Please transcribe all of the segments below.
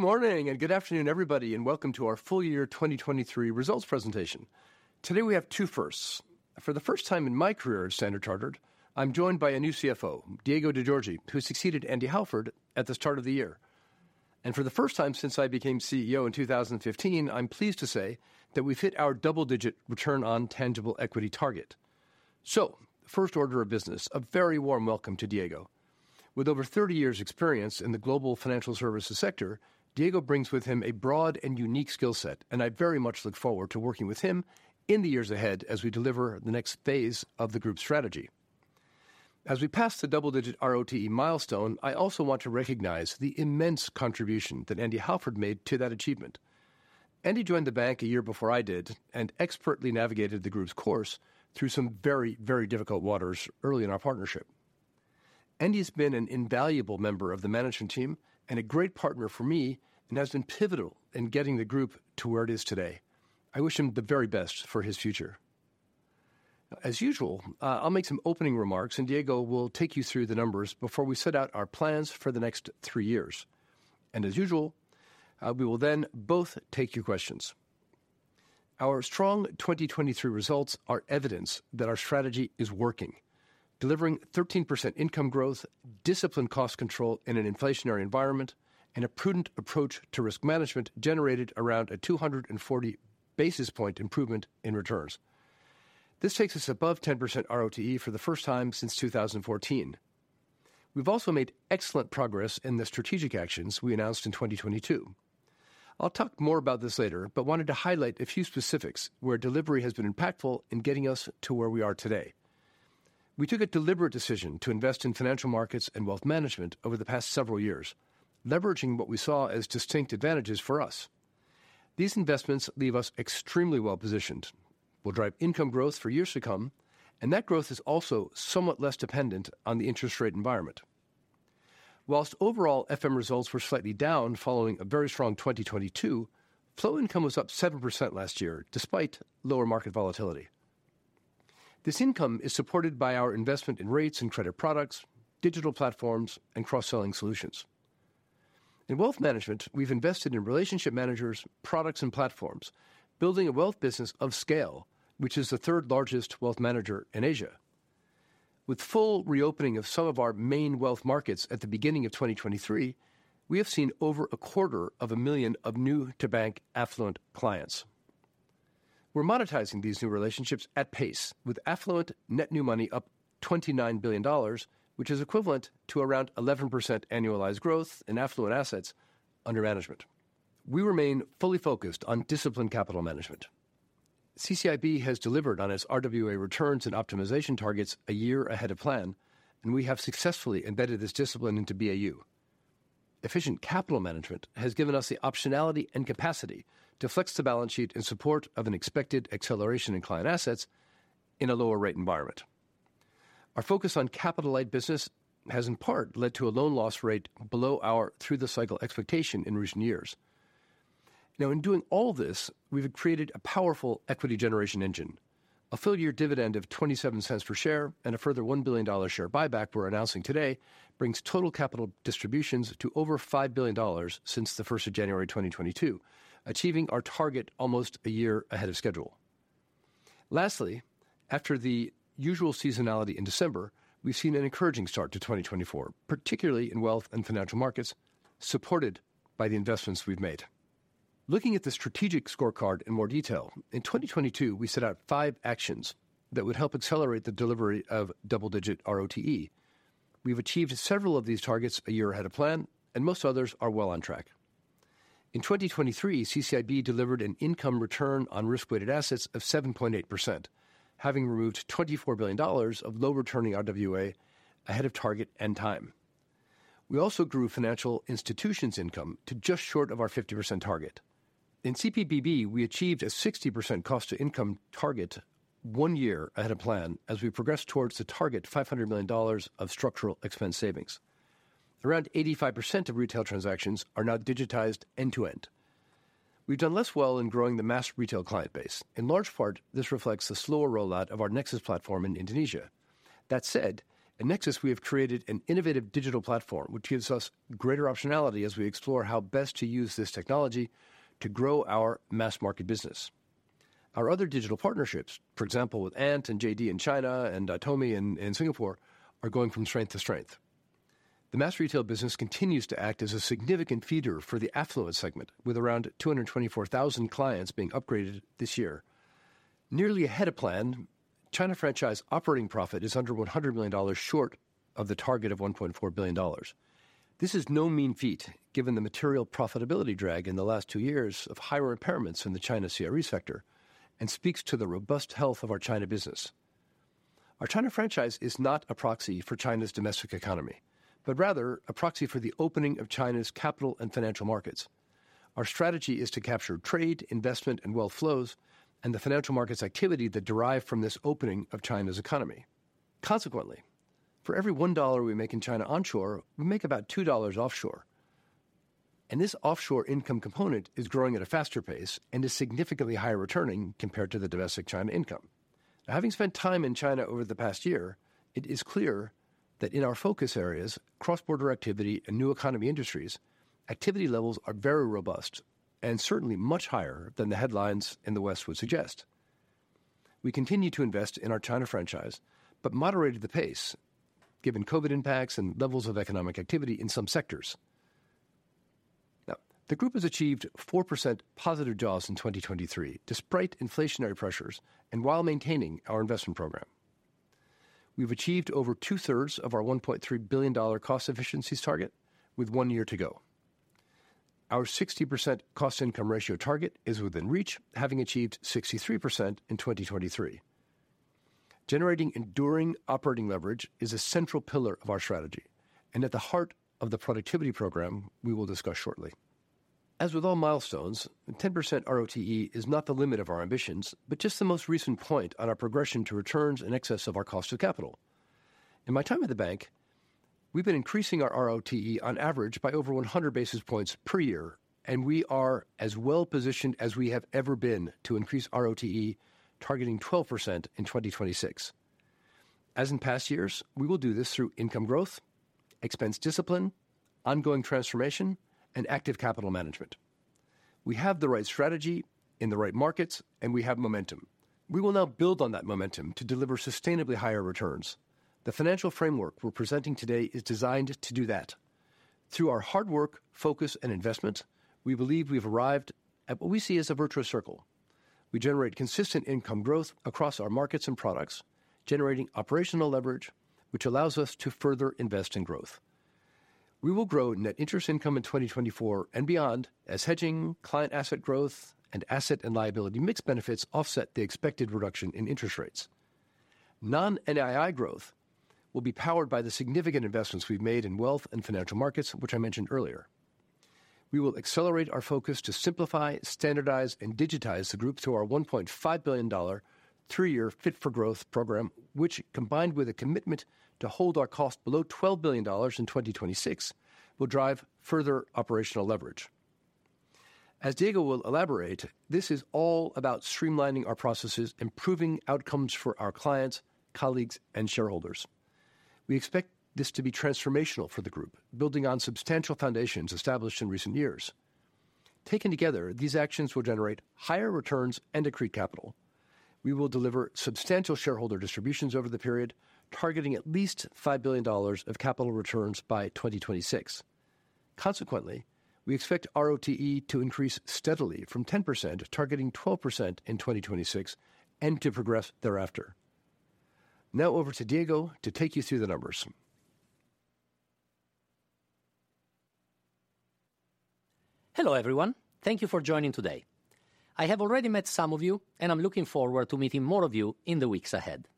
Good morning and good afternoon, everybody, and welcome to our full year 2023 results presentation. Today we have two firsts. For the first time in my career at Standard Chartered, I'm joined by a new CFO, Diego De Giorgi, who succeeded Andy Halford at the start of the year. And for the first time since I became CEO in 2015, I'm pleased to say that we've hit our double-digit return on tangible equity target. So, first order of business, a very warm welcome to Diego. With over 30 years' experience in the global financial services sector, Diego brings with him a broad and unique skill set, and I very much look forward to working with him in the years ahead as we deliver the next phase of the group's strategy. As we pass the double-digit ROTE milestone, I also want to recognize the immense contribution that Andy Halford made to that achievement. Andy joined the bank a year before I did and expertly navigated the group's course through some very, very difficult waters early in our partnership. Andy has been an invaluable member of the management team and a great partner for me, and has been pivotal in getting the group to where it is today. I wish him the very best for his future. As usual, I'll make some opening remarks, and Diego will take you through the numbers before we set out our plans for the next three years. As usual, we will then both take your questions. Our strong 2023 results are evidence that our strategy is working, delivering 13% income growth, disciplined cost control in an inflationary environment, and a prudent approach to risk management generated around a 240 basis points improvement in returns. This takes us above 10% ROTE for the first time since 2014. We've also made excellent progress in the strategic actions we announced in 2022. I'll talk more about this later, but wanted to highlight a few specifics where delivery has been impactful in getting us to where we are today. We took a deliberate decision to invest in financial markets and wealth management over the past several years, leveraging what we saw as distinct advantages for us. These investments leave us extremely well positioned, will drive income growth for years to come, and that growth is also somewhat less dependent on the interest rate environment. While overall FM results were slightly down following a very strong 2022, flow income was up 7% last year despite lower market volatility. This income is supported by our investment in rates and credit products, digital platforms, and cross-selling solutions. In wealth management, we've invested in relationship managers, products, and platforms, building a wealth business of scale, which is the third-largest wealth manager in Asia. With full reopening of some of our main wealth markets at the beginning of 2023, we have seen over 250,000 new-to-bank affluent clients. We're monetizing these new relationships at pace, with affluent net new money up $29 billion, which is equivalent to around 11% annualized growth in affluent assets under management. We remain fully focused on disciplined capital management. CCIB has delivered on its RWA returns and optimization targets a year ahead of plan, and we have successfully embedded this discipline into BAU. Efficient capital management has given us the optionality and capacity to flex the balance sheet in support of an expected acceleration in client assets in a lower-rate environment. Our focus on capital-light business has in part led to a loan loss rate below our through-the-cycle expectation in recent years. Now, in doing all this, we've created a powerful equity generation engine. A full-year dividend of $0.27 per share and a further $1 billion share buyback we're announcing today brings total capital distributions to over $5 billion since the 1st of January 2022, achieving our target almost a year ahead of schedule. Lastly, after the usual seasonality in December, we've seen an encouraging start to 2024, particularly in wealth and financial markets, supported by the investments we've made. Looking at the strategic scorecard in more detail, in 2022 we set out five actions that would help accelerate the delivery of double-digit ROTE. We've achieved several of these targets a year ahead of plan, and most others are well on track. In 2023, CCIB delivered an income return on risk-weighted assets of 7.8%, having removed $24 billion of low-returning RWA ahead of target and time. We also grew financial institutions income to just short of our 50% target. In CPBB, we achieved a 60% cost-to-income target one year ahead of plan as we progressed towards the target $500 million of structural expense savings. Around 85% of retail transactions are now digitized end-to-end. We've done less well in growing the mass retail client base. In large part, this reflects the slower rollout of our Nexus platform in Indonesia. That said, in Nexus we have created an innovative digital platform which gives us greater optionality as we explore how best to use this technology to grow our mass market business. Our other digital partnerships, for example with Ant and JD in China and Atome in Singapore, are going from strength to strength. The mass retail business continues to act as a significant feeder for the affluent segment, with around 224,000 clients being upgraded this year. Nearly ahead of plan, China franchise operating profit is under $100 million short of the target of $1.4 billion. This is no mean feat given the material profitability drag in the last two years of higher impairments in the China CRE sector and speaks to the robust health of our China business. Our China franchise is not a proxy for China's domestic economy, but rather a proxy for the opening of China's capital and financial markets. Our strategy is to capture trade, investment, and wealth flows, and the financial markets' activity that derive from this opening of China's economy. Consequently, for every $1 we make in China onshore, we make about $2 offshore. This offshore income component is growing at a faster pace and is significantly higher returning compared to the domestic China income. Now, having spent time in China over the past year, it is clear that in our focus areas, cross-border activity, and new economy industries, activity levels are very robust and certainly much higher than the headlines in the West would suggest. We continue to invest in our China franchise, but moderated the pace given COVID impacts and levels of economic activity in some sectors. Now, the group has achieved 4% positive jaws in 2023 despite inflationary pressures and while maintaining our investment program. We've achieved over two-thirds of our $1.3 billion cost efficiencies target with one year to go. Our 60% cost-income ratio target is within reach, having achieved 63% in 2023. Generating enduring operating leverage is a central pillar of our strategy and at the heart of the productivity program we will discuss shortly. As with all milestones, 10% ROTE is not the limit of our ambitions, but just the most recent point on our progression to returns in excess of our cost of capital. In my time at the bank, we've been increasing our ROTE on average by over 100 basis points per year, and we are as well positioned as we have ever been to increase ROTE, targeting 12% in 2026. As in past years, we will do this through income growth, expense discipline, ongoing transformation, and active capital management. We have the right strategy in the right markets, and we have momentum. We will now build on that momentum to deliver sustainably higher returns. The financial framework we're presenting today is designed to do that. Through our hard work, focus, and investment, we believe we've arrived at what we see as a virtuous circle. We generate consistent income growth across our markets and products, generating operational leverage which allows us to further invest in growth. We will grow net interest income in 2024 and beyond as hedging, client asset growth, and asset and liability mixed benefits offset the expected reduction in interest rates. Non-NII growth will be powered by the significant investments we've made in wealth and financial markets, which I mentioned earlier. We will accelerate our focus to simplify, standardize, and digitize the group through our $1.5 billion three-year Fit for Growth program, which, combined with a commitment to hold our cost below $12 billion in 2026, will drive further operational leverage. As Diego will elaborate, this is all about streamlining our processes, improving outcomes for our clients, colleagues, and shareholders. We expect this to be transformational for the group, building on substantial foundations established in recent years. Taken together, these actions will generate higher returns and accrete capital. We will deliver substantial shareholder distributions over the period, targeting at least $5 billion of capital returns by 2026. Consequently, we expect ROTE to increase steadily from 10%, targeting 12% in 2026, and to progress thereafter. Now over to Diego to take you through the numbers. Hello everyone, thank you for joining today. I have already met some of you, and I'm looking forward to meeting more of you in the weeks ahead.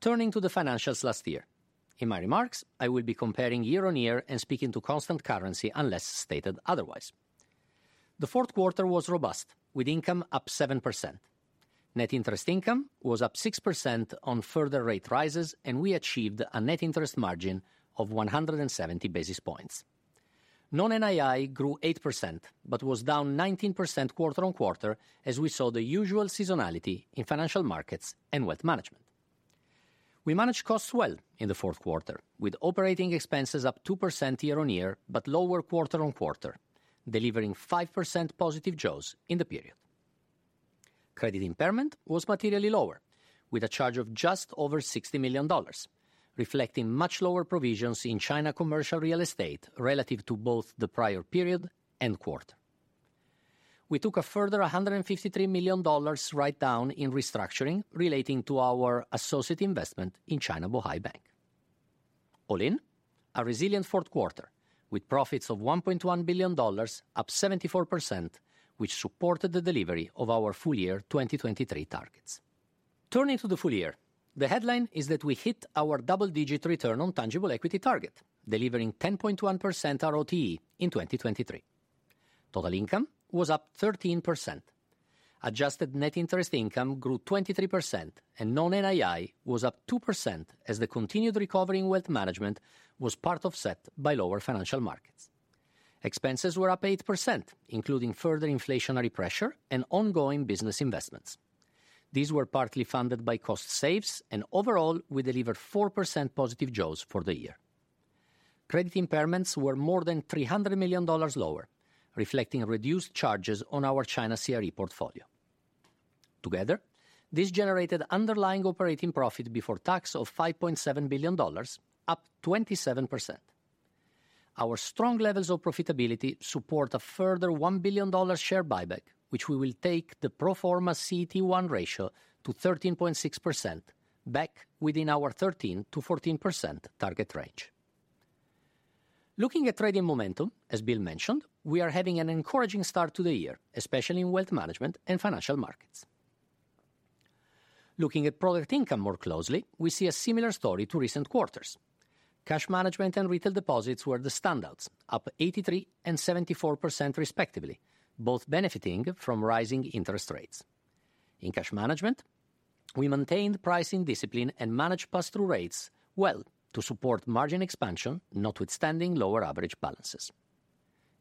Turning to the financials last year. In my remarks, I will be comparing year-on-year and speaking to constant currency unless stated otherwise. The fourth quarter was robust, with income up 7%. Net interest income was up 6% on further rate rises, and we achieved a net interest margin of 170 basis points. Non-NII grew 8% but was down 19% quarter-on-quarter as we saw the usual seasonality in financial markets and wealth management. We managed costs well in the fourth quarter, with operating expenses up 2% year-on-year but lower quarter-on-quarter, delivering 5% positive jaws in the period. Credit impairment was materially lower, with a charge of just over $60 million, reflecting much lower provisions in China commercial real estate relative to both the prior period and quarter. We took a further $153 million write-down in restructuring relating to our associate investment in China Bohai Bank. All in, a resilient fourth quarter, with profits of $1.1 billion up 74%, which supported the delivery of our full-year 2023 targets. Turning to the full year, the headline is that we hit our double-digit return on tangible equity target, delivering 10.1% ROTE in 2023. Total income was up 13%. Adjusted net interest income grew 23%, and non-NII was up 2% as the continued recovery in wealth management was partly offset by lower financial markets. Expenses were up 8%, including further inflationary pressure and ongoing business investments. These were partly funded by cost saves, and overall we delivered 4% positive Jaws for the year. Credit impairments were more than $300 million lower, reflecting reduced charges on our China CRE portfolio. Together, this generated underlying operating profit before tax of $5.7 billion, up 27%. Our strong levels of profitability support a further $1 billion share buyback, which we will take the pro forma CET1 ratio to 13.6% back within our 13%-14% target range. Looking at trading momentum, as Bill mentioned, we are having an encouraging start to the year, especially in wealth management and financial markets. Looking at product income more closely, we see a similar story to recent quarters. Cash management and retail deposits were the standouts, up 83% and 74% respectively, both benefiting from rising interest rates. In cash management, we maintained pricing discipline and managed pass-through rates well to support margin expansion, notwithstanding lower average balances.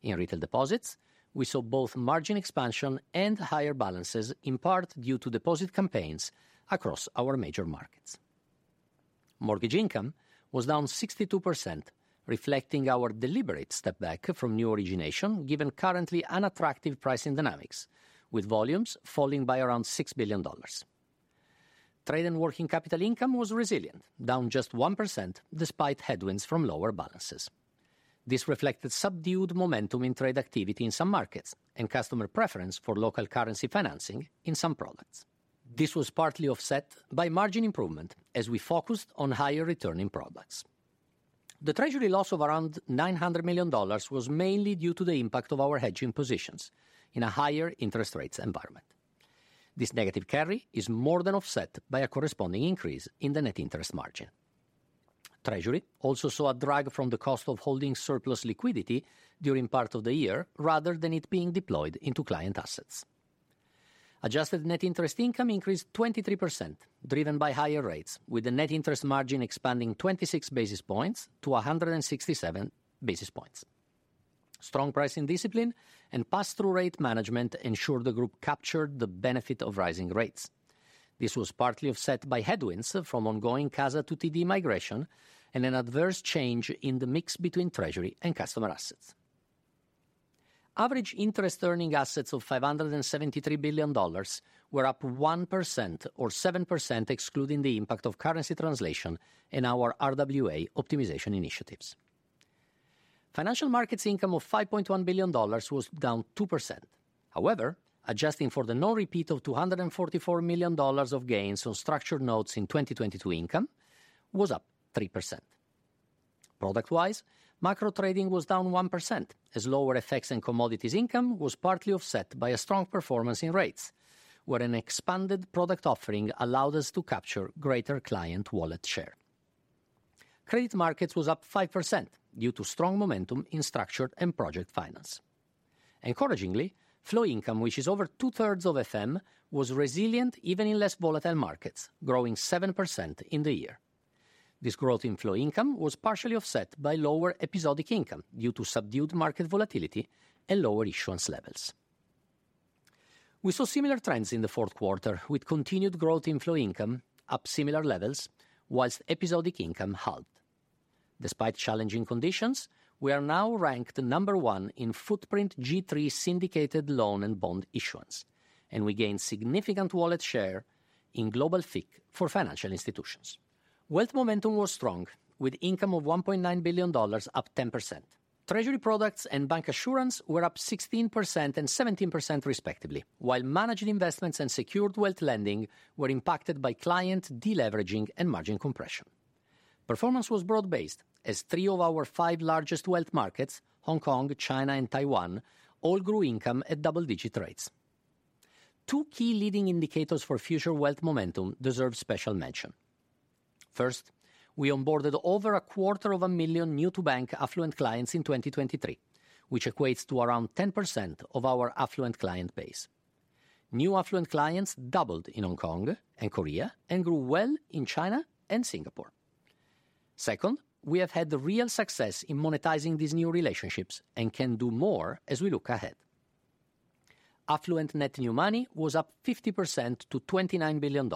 In retail deposits, we saw both margin expansion and higher balances, in part due to deposit campaigns across our major markets. Mortgage income was down 62%, reflecting our deliberate step back from new origination given currently unattractive pricing dynamics, with volumes falling by around $6 billion. Trade and working capital income was resilient, down just 1% despite headwinds from lower balances. This reflected subdued momentum in trade activity in some markets and customer preference for local currency financing in some products. This was partly offset by margin improvement as we focused on higher-returning products. The treasury loss of around $900 million was mainly due to the impact of our hedging positions in a higher-interest-rate environment. This negative carry is more than offset by a corresponding increase in the net interest margin. Treasury also saw a drag from the cost of holding surplus liquidity during part of the year rather than it being deployed into client assets. Adjusted net interest income increased 23%, driven by higher rates, with the net interest margin expanding 26 basis points to 167 basis points. Strong pricing discipline and pass-through rate management ensured the group captured the benefit of rising rates. This was partly offset by headwinds from ongoing CASA to TD migration and an adverse change in the mix between treasury and customer assets. Average interest-earning assets of $573 billion were up 1% or 7% excluding the impact of currency translation and our RWA optimization initiatives. Financial markets income of $5.1 billion was down 2%. However, adjusting for the non-repeat of $244 million of gains on structured notes in 2022, income was up 3%. Product-wise, macro trading was down 1% as lower FX and commodities income was partly offset by a strong performance in rates, where an expanded product offering allowed us to capture greater client wallet share. Credit markets were up 5% due to strong momentum in structured and project finance. Encouragingly, flow income, which is over two-thirds of FM, was resilient even in less volatile markets, growing 7% in the year. This growth in flow income was partially offset by lower episodic income due to subdued market volatility and lower issuance levels. We saw similar trends in the fourth quarter, with continued growth in flow income up similar levels while episodic income halted. Despite challenging conditions, we are now ranked number one in footprint G3 syndicated loan and bond issuance, and we gained significant wallet share in global FIC for financial institutions. Wealth momentum was strong, with income of $1.9 billion up 10%. Treasury products and bancassurance were up 16% and 17% respectively, while managed investments and secured wealth lending were impacted by client deleveraging and margin compression. Performance was broad-based as three of our five largest wealth markets, Hong Kong, China, and Taiwan, all grew income at double-digit rates. Two key leading indicators for future wealth momentum deserve special mention. First, we onboarded over 250,000 new-to-bank affluent clients in 2023, which equates to around 10% of our affluent client base. New affluent clients doubled in Hong Kong and Korea and grew well in China and Singapore. Second, we have had real success in monetizing these new relationships and can do more as we look ahead. Affluent net new money was up 50% to $29 billion,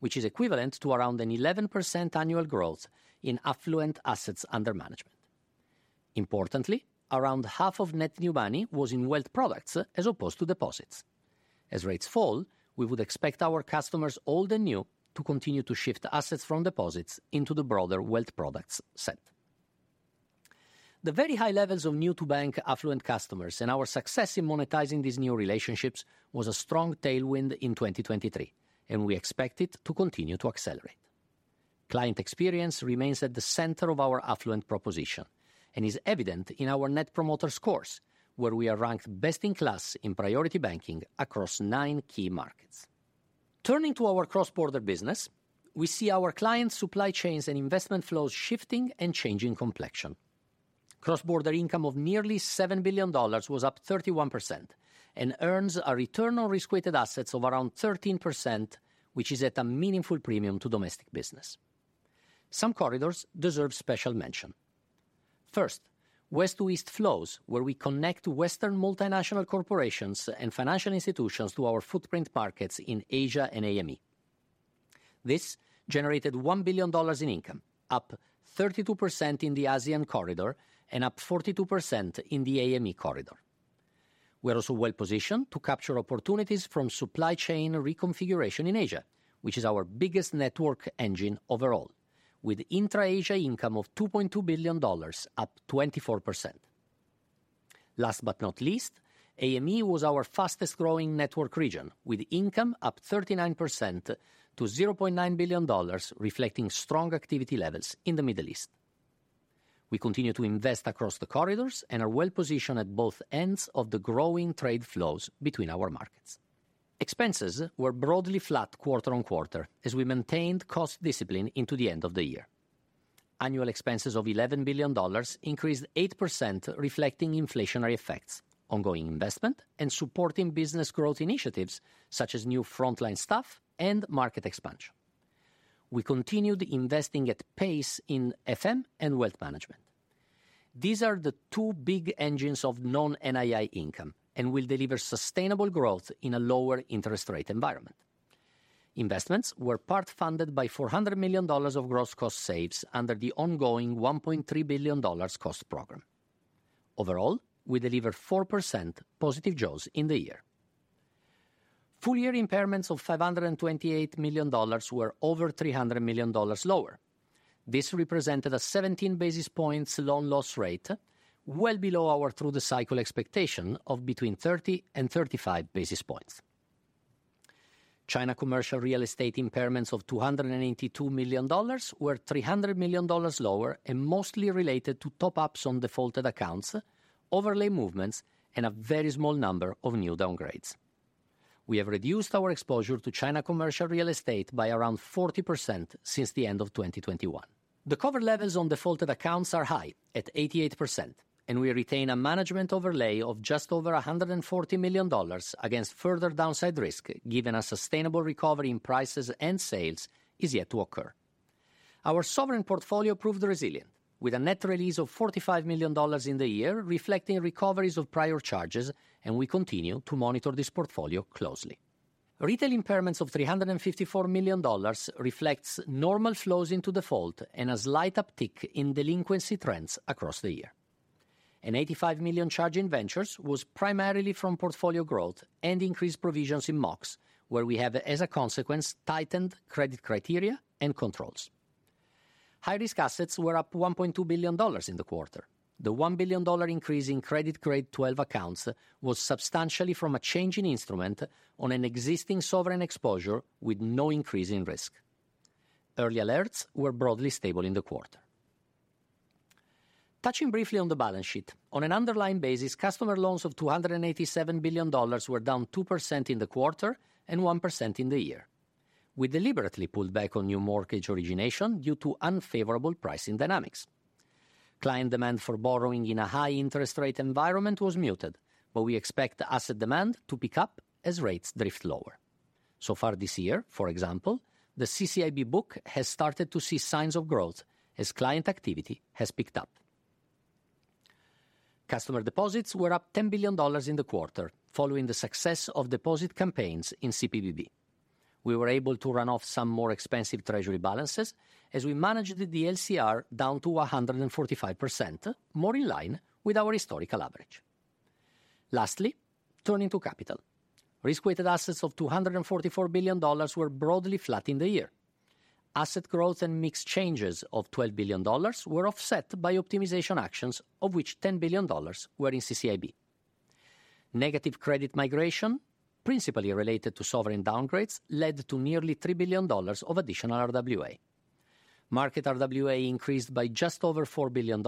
which is equivalent to around an 11% annual growth in affluent assets under management. Importantly, around half of net new money was in wealth products as opposed to deposits. As rates fall, we would expect our customers, old and new, to continue to shift assets from deposits into the broader wealth products set. The very high levels of new-to-bank affluent customers and our success in monetizing these new relationships was a strong tailwind in 2023, and we expect it to continue to accelerate. Client experience remains at the center of our affluent proposition and is evident in our Net Promoter scores, where we are ranked best-in-class in Priority Banking across nine key markets. Turning to our cross-border business, we see our clients' supply chains and investment flows shifting and changing complexion. Cross-border income of nearly $7 billion was up 31%, and earns a return-on-risk-weighted assets of around 13%, which is at a meaningful premium to domestic business. Some corridors deserve special mention. First, West to East flows, where we connect Western multinational corporations and financial institutions to our footprint markets in Asia and AME. This generated $1 billion in income, up 32% in the ASEAN corridor and up 42% in the AME corridor. We are also well positioned to capture opportunities from supply chain reconfiguration in Asia, which is our biggest network engine overall, with intra-Asia income of $2.2 billion, up 24%. Last but not least, AME was our fastest-growing network region, with income up 39% to $0.9 billion, reflecting strong activity levels in the Middle East. We continue to invest across the corridors and are well positioned at both ends of the growing trade flows between our markets. Expenses were broadly flat quarter-on-quarter as we maintained cost discipline into the end of the year. Annual expenses of $11 billion increased 8%, reflecting inflationary effects, ongoing investment, and supporting business growth initiatives such as new frontline staff and market expansion. We continued investing at pace in FM and wealth management. These are the two big engines of non-NII income and will deliver sustainable growth in a lower-interest-rate environment. Investments were part funded by $400 million of gross cost saves under the ongoing $1.3 billion cost program. Overall, we deliver 4% positive jaws in the year. Full-year impairments of $528 million were over $300 million lower. This represented a 17 basis points loan loss rate, well below our through-the-cycle expectation of between 30 and 35 basis points. China commercial real estate impairments of $282 million were $300 million lower and mostly related to top-ups on defaulted accounts, overlay movements, and a very small number of new downgrades. We have reduced our exposure to China commercial real estate by around 40% since the end of 2021. The cover levels on defaulted accounts are high, at 88%, and we retain a management overlay of just over $140 million against further downside risk, given a sustainable recovery in prices and sales is yet to occur. Our sovereign portfolio proved resilient, with a net release of $45 million in the year reflecting recoveries of prior charges, and we continue to monitor this portfolio closely. Retail impairments of $354 million reflect normal flows into default and a slight uptick in delinquency trends across the year. An $85 million charge in ventures was primarily from portfolio growth and increased provisions in Mox, where we have, as a consequence, tightened credit criteria and controls. High-risk assets were up $1.2 billion in the quarter. The $1 billion increase in Credit Grade 12 accounts was substantially from a change in instrument on an existing sovereign exposure with no increase in risk. Early alerts were broadly stable in the quarter. Touching briefly on the balance sheet, on an underlying basis, customer loans of $287 billion were down 2% in the quarter and 1% in the year, with deliberately pulled back on new mortgage origination due to unfavorable pricing dynamics. Client demand for borrowing in a high-interest-rate environment was muted, but we expect asset demand to pick up as rates drift lower. So far this year, for example, the CCIB book has started to see signs of growth as client activity has picked up. Customer deposits were up $10 billion in the quarter, following the success of deposit campaigns in CPBB. We were able to run off some more expensive treasury balances as we managed the LCR down to 145%, more in line with our historical average. Lastly, turning to capital. Risk-weighted assets of $244 billion were broadly flat in the year. Asset growth and mixed changes of $12 billion were offset by optimization actions, of which $10 billion were in CCIB. Negative credit migration, principally related to sovereign downgrades, led to nearly $3 billion of additional RWA. Market RWA increased by just over $4 billion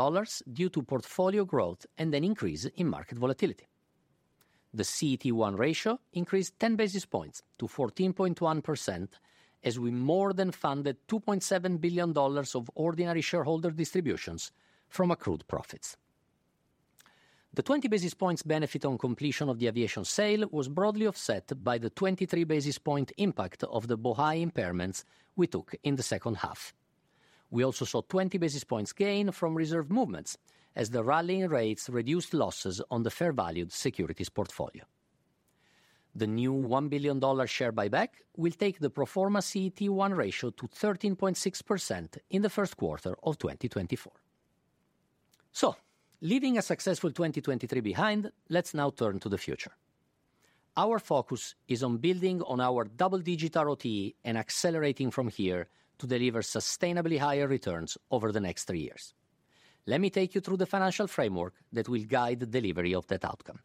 due to portfolio growth and an increase in market volatility. The CET1 ratio increased 10 basis points to 14.1% as we more than funded $2.7 billion of ordinary shareholder distributions from accrued profits. The 20 basis points benefit on completion of the aviation sale was broadly offset by the 23 basis point impact of the Bohai impairments we took in the second half. We also saw 20 basis points gain from reserve movements as the rallying rates reduced losses on the fair-valued securities portfolio. The new $1 billion share buyback will take the proforma CET1 ratio to 13.6% in the first quarter of 2024. Leaving a successful 2023 behind, let's now turn to the future. Our focus is on building on our double-digit ROTE and accelerating from here to deliver sustainably higher returns over the next three years. Let me take you through the financial framework that will guide delivery of that outcome.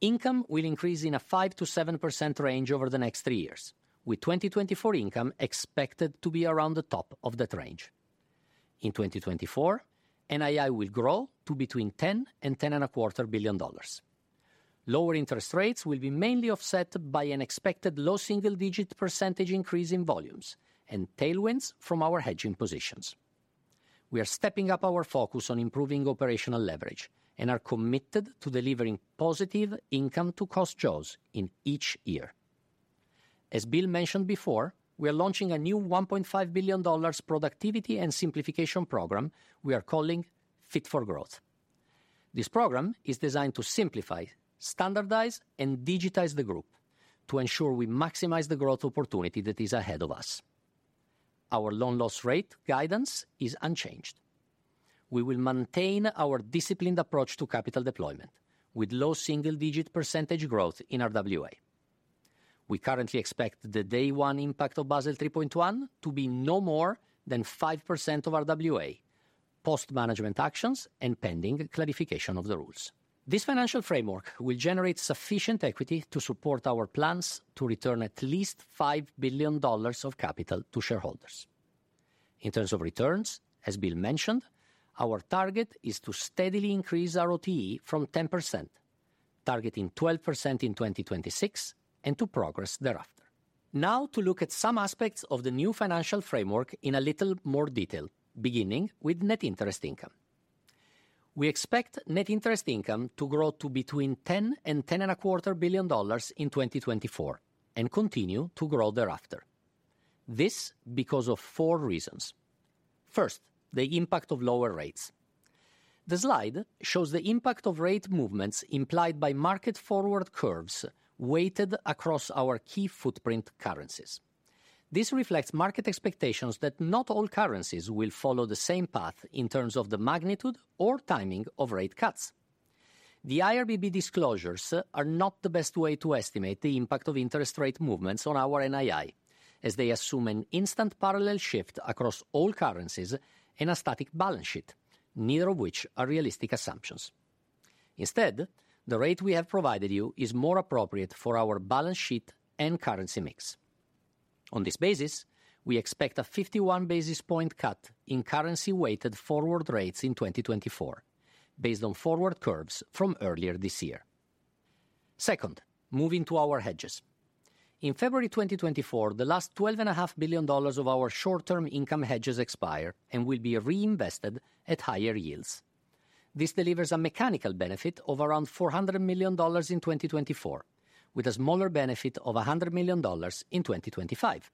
Income will increase in a 5%-7% range over the next three years, with 2024 income expected to be around the top of that range. In 2024, NII will grow to between $10-$10.25 billion. Lower interest rates will be mainly offset by an expected low single-digit percentage increase in volumes and tailwinds from our hedging positions. We are stepping up our focus on improving operational leverage and are committed to delivering positive income-to-cost jaws in each year. As Bill mentioned before, we are launching a new $1.5 billion productivity and simplification program we are calling Fit for Growth. This program is designed to simplify, standardize, and digitize the group to ensure we maximize the growth opportunity that is ahead of us. Our loan loss rate guidance is unchanged. We will maintain our disciplined approach to capital deployment, with low single-digit percentage growth in RWA. We currently expect the day-one impact of Basel 3.1 to be no more than 5% of RWA, post-management actions and pending clarification of the rules. This financial framework will generate sufficient equity to support our plans to return at least $5 billion of capital to shareholders. In terms of returns, as Bill mentioned, our target is to steadily increase ROTE from 10%, targeting 12% in 2026, and to progress thereafter. Now to look at some aspects of the new financial framework in a little more detail, beginning with net interest income. We expect net interest income to grow to between $10 billion-$10.25 billion in 2024 and continue to grow thereafter. This because of four reasons. First, the impact of lower rates. The slide shows the impact of rate movements implied by market-forward curves weighted across our key footprint currencies. This reflects market expectations that not all currencies will follow the same path in terms of the magnitude or timing of rate cuts. The IRBB disclosures are not the best way to estimate the impact of interest rate movements on our NII, as they assume an instant parallel shift across all currencies and a static balance sheet, neither of which are realistic assumptions. Instead, the rate we have provided you is more appropriate for our balance sheet and currency mix. On this basis, we expect a 51 basis point cut in currency-weighted forward rates in 2024, based on forward curves from earlier this year. Second, moving to our hedges. In February 2024, the last $12.5 billion of our short-term income hedges expire and will be reinvested at higher yields. This delivers a mechanical benefit of around $400 million in 2024, with a smaller benefit of $100 million in 2025.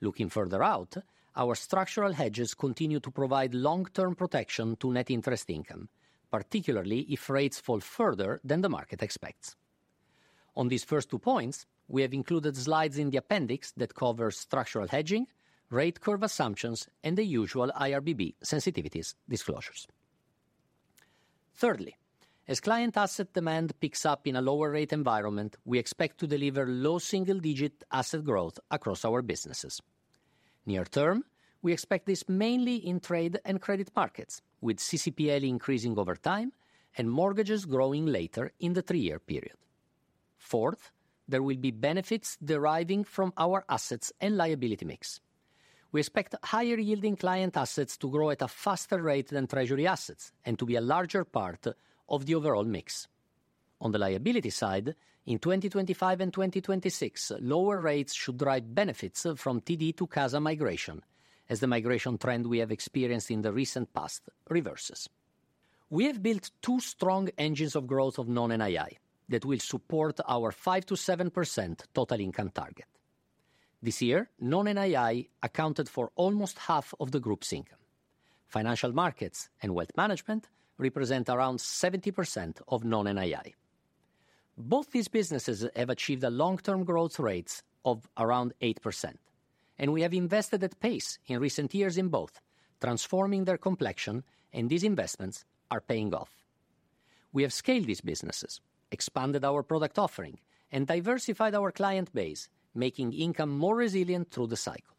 Looking further out, our structural hedges continue to provide long-term protection to net interest income, particularly if rates fall further than the market expects. On these first two points, we have included slides in the appendix that cover structural hedging, rate curve assumptions, and the usual IRBB sensitivities disclosures. Thirdly, as client asset demand picks up in a lower-rate environment, we expect to deliver low single-digit asset growth across our businesses. Near term, we expect this mainly in trade and credit markets, with CCPL increasing over time and mortgages growing later in the three-year period. Fourth, there will be benefits deriving from our assets and liability mix. We expect higher-yielding client assets to grow at a faster rate than treasury assets and to be a larger part of the overall mix. On the liability side, in 2025 and 2026, lower rates should drive benefits from TD to CASA migration, as the migration trend we have experienced in the recent past reverses. We have built two strong engines of growth of non-NII that will support our 5%-7% total income target. This year, non-NII accounted for almost half of the group's income. Financial markets and wealth management represent around 70% of non-NII. Both these businesses have achieved long-term growth rates of around 8%, and we have invested at pace in recent years in both, transforming their complexion, and these investments are paying off. We have scaled these businesses, expanded our product offering, and diversified our client base, making income more resilient through the cycle.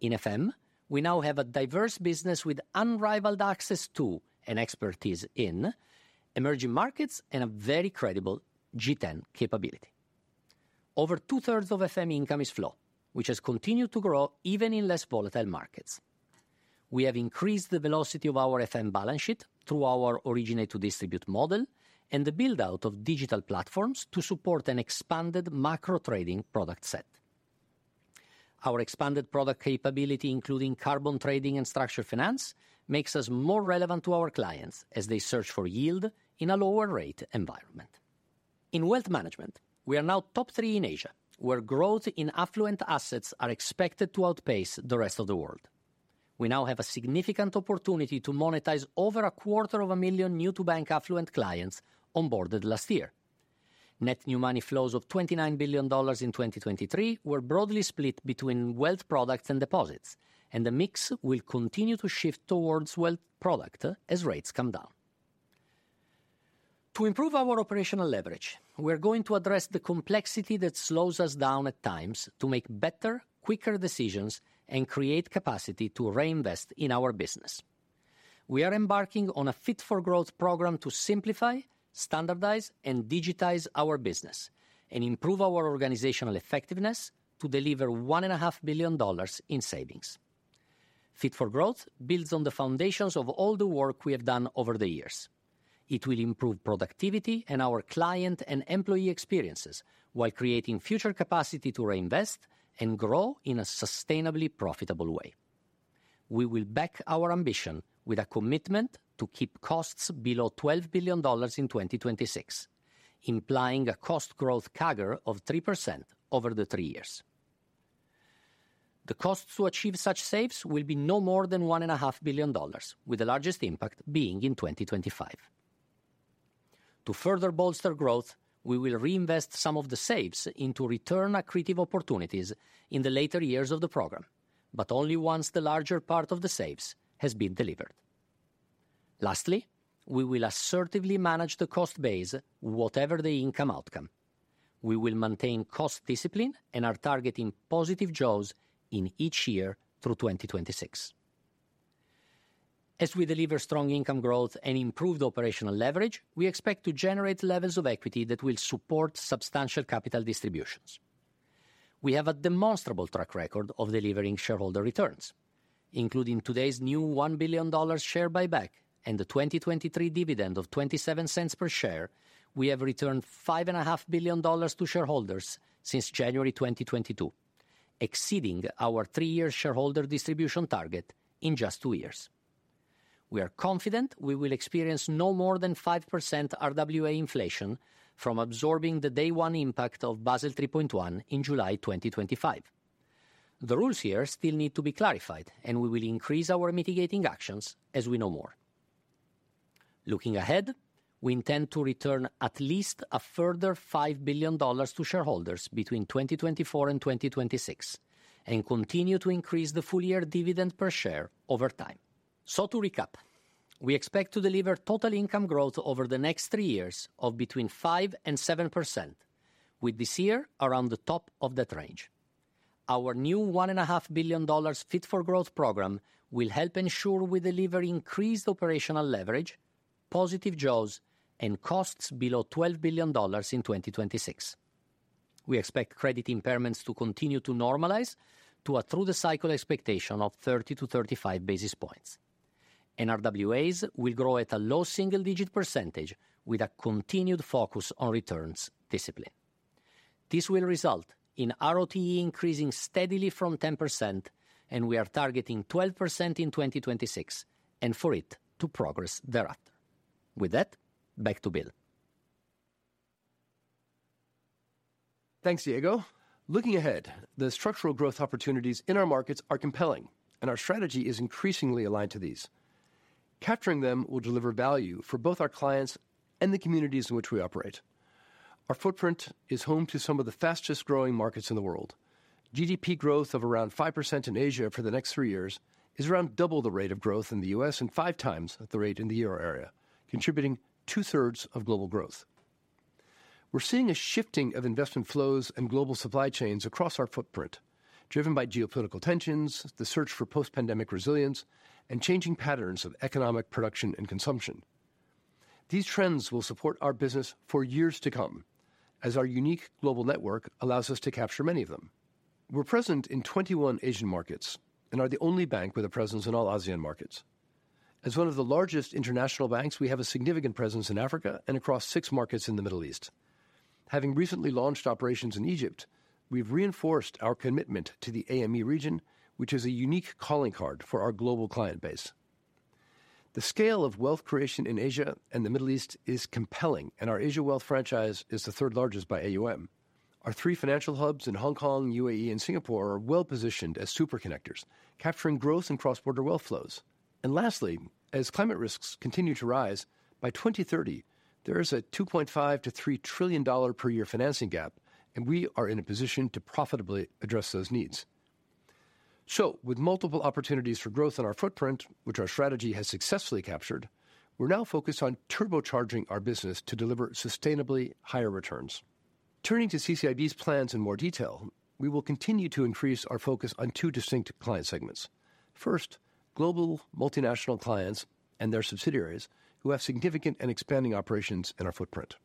In FM, we now have a diverse business with unrivaled access to and expertise in emerging markets and a very credible G10 capability. Over two-thirds of FM income is flow, which has continued to grow even in less volatile markets. We have increased the velocity of our FM balance sheet through our originate-to-distribute model and the build-out of digital platforms to support an expanded macro trading product set. Our expanded product capability, including carbon trading and structured finance, makes us more relevant to our clients as they search for yield in a lower-rate environment. In wealth management, we are now top three in Asia, where growth in affluent assets is expected to outpace the rest of the world. We now have a significant opportunity to monetize over 250,000 new-to-bank affluent clients onboarded last year. Net new money flows of $29 billion in 2023 were broadly split between wealth products and deposits, and the mix will continue to shift towards wealth product as rates come down. To improve our operational leverage, we are going to address the complexity that slows us down at times to make better, quicker decisions and create capacity to reinvest in our business. We are embarking on a Fit for Growth program to simplify, standardize, and digitize our business and improve our organizational effectiveness to deliver $1.5 billion in savings. Fit for Growth builds on the foundations of all the work we have done over the years. It will improve productivity and our client and employee experiences while creating future capacity to reinvest and grow in a sustainably profitable way. We will back our ambition with a commitment to keep costs below $12 billion in 2026, implying a cost growth CAGR of 3% over the three years. The costs to achieve such savings will be no more than $1.5 billion, with the largest impact being in 2025. To further bolster growth, we will reinvest some of the saves into return-accretive opportunities in the later years of the program, but only once the larger part of the saves has been delivered. Lastly, we will assertively manage the cost base, whatever the income outcome. We will maintain cost discipline and are targeting positive jaws in each year through 2026. As we deliver strong income growth and improved operational leverage, we expect to generate levels of equity that will support substantial capital distributions. We have a demonstrable track record of delivering shareholder returns. Including today's new $1 billion share buyback and the 2023 dividend of $0.27 per share, we have returned $5.5 billion to shareholders since January 2022, exceeding our three-year shareholder distribution target in just two years. We are confident we will experience no more than 5% RWA inflation from absorbing the day-one impact of Basel 3.1 in July 2025. The rules here still need to be clarified, and we will increase our mitigating actions as we know more. Looking ahead, we intend to return at least a further $5 billion to shareholders between 2024 and 2026 and continue to increase the full-year dividend per share over time. So, to recap: we expect to deliver total income growth over the next three years of between 5%-7%, with this year around the top of that range. Our new $1.5 billion Fit for Growth program will help ensure we deliver increased operational leverage, positive jaws, and costs below $12 billion in 2026. We expect credit impairments to continue to normalize to a through-the-cycle expectation of 30-35 basis points. RWAs will grow at a low single-digit percentage with a continued focus on returns discipline. This will result in ROTE increasing steadily from 10%, and we are targeting 12% in 2026 and for it to progress thereafter. With that, back to Bill. Thanks, Diego. Looking ahead, the structural growth opportunities in our markets are compelling, and our strategy is increasingly aligned to these. Capturing them will deliver value for both our clients and the communities in which we operate. Our footprint is home to some of the fastest-growing markets in the world. GDP growth of around 5% in Asia for the next three years is around double the rate of growth in the U.S. and five times the rate in the Euro Area, contributing two-thirds of global growth. We're seeing a shifting of investment flows and global supply chains across our footprint, driven by geopolitical tensions, the search for post-pandemic resilience, and changing patterns of economic production and consumption. These trends will support our business for years to come, as our unique global network allows us to capture many of them. We're present in 21 Asian markets and are the only bank with a presence in all ASEAN markets. As one of the largest international banks, we have a significant presence in Africa and across six markets in the Middle East. Having recently launched operations in Egypt, we've reinforced our commitment to the AME region, which is a unique calling card for our global client base. The scale of wealth creation in Asia and the Middle East is compelling, and our Asia Wealth franchise is the third largest by AUM. Our three financial hubs in Hong Kong, UAE, and Singapore are well-positioned as superconnectors, capturing growth and cross-border wealth flows. And lastly, as climate risks continue to rise, by 2030, there is a $2.5 trillion-$3 trillion per year financing gap, and we are in a position to profitably address those needs. So, with multiple opportunities for growth in our footprint, which our strategy has successfully captured, we're now focused on turbocharging our business to deliver sustainably higher returns. Turning to CCIB's plans in more detail, we will continue to increase our focus on two distinct client segments. First, global multinational clients and their subsidiaries, who have significant and expanding operations in our footprint.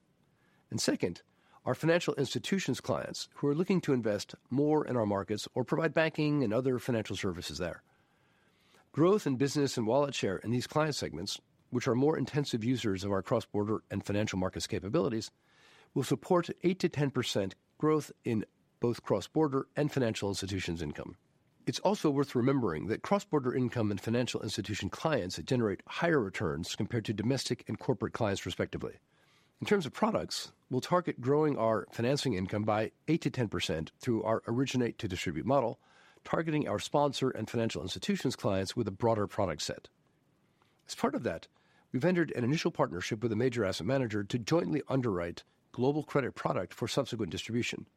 And second, our financial institutions' clients, who are looking to invest more in our markets or provide banking and other financial services there. Growth in business and wallet share in these client segments, which are more intensive users of our cross-border and financial markets capabilities, will support 8%-10% growth in both cross-border and financial institutions' income. It's also worth remembering that cross-border income and financial institution clients generate higher returns compared to domestic and corporate clients, respectively. In terms of products, we'll target growing our financing income by 8%-10% through our originate-to-distribute model, targeting our sponsor and financial institutions' clients with a broader product set. As part of that, we've entered an initial partnership with a major asset manager to jointly underwrite global credit product for subsequent distribution.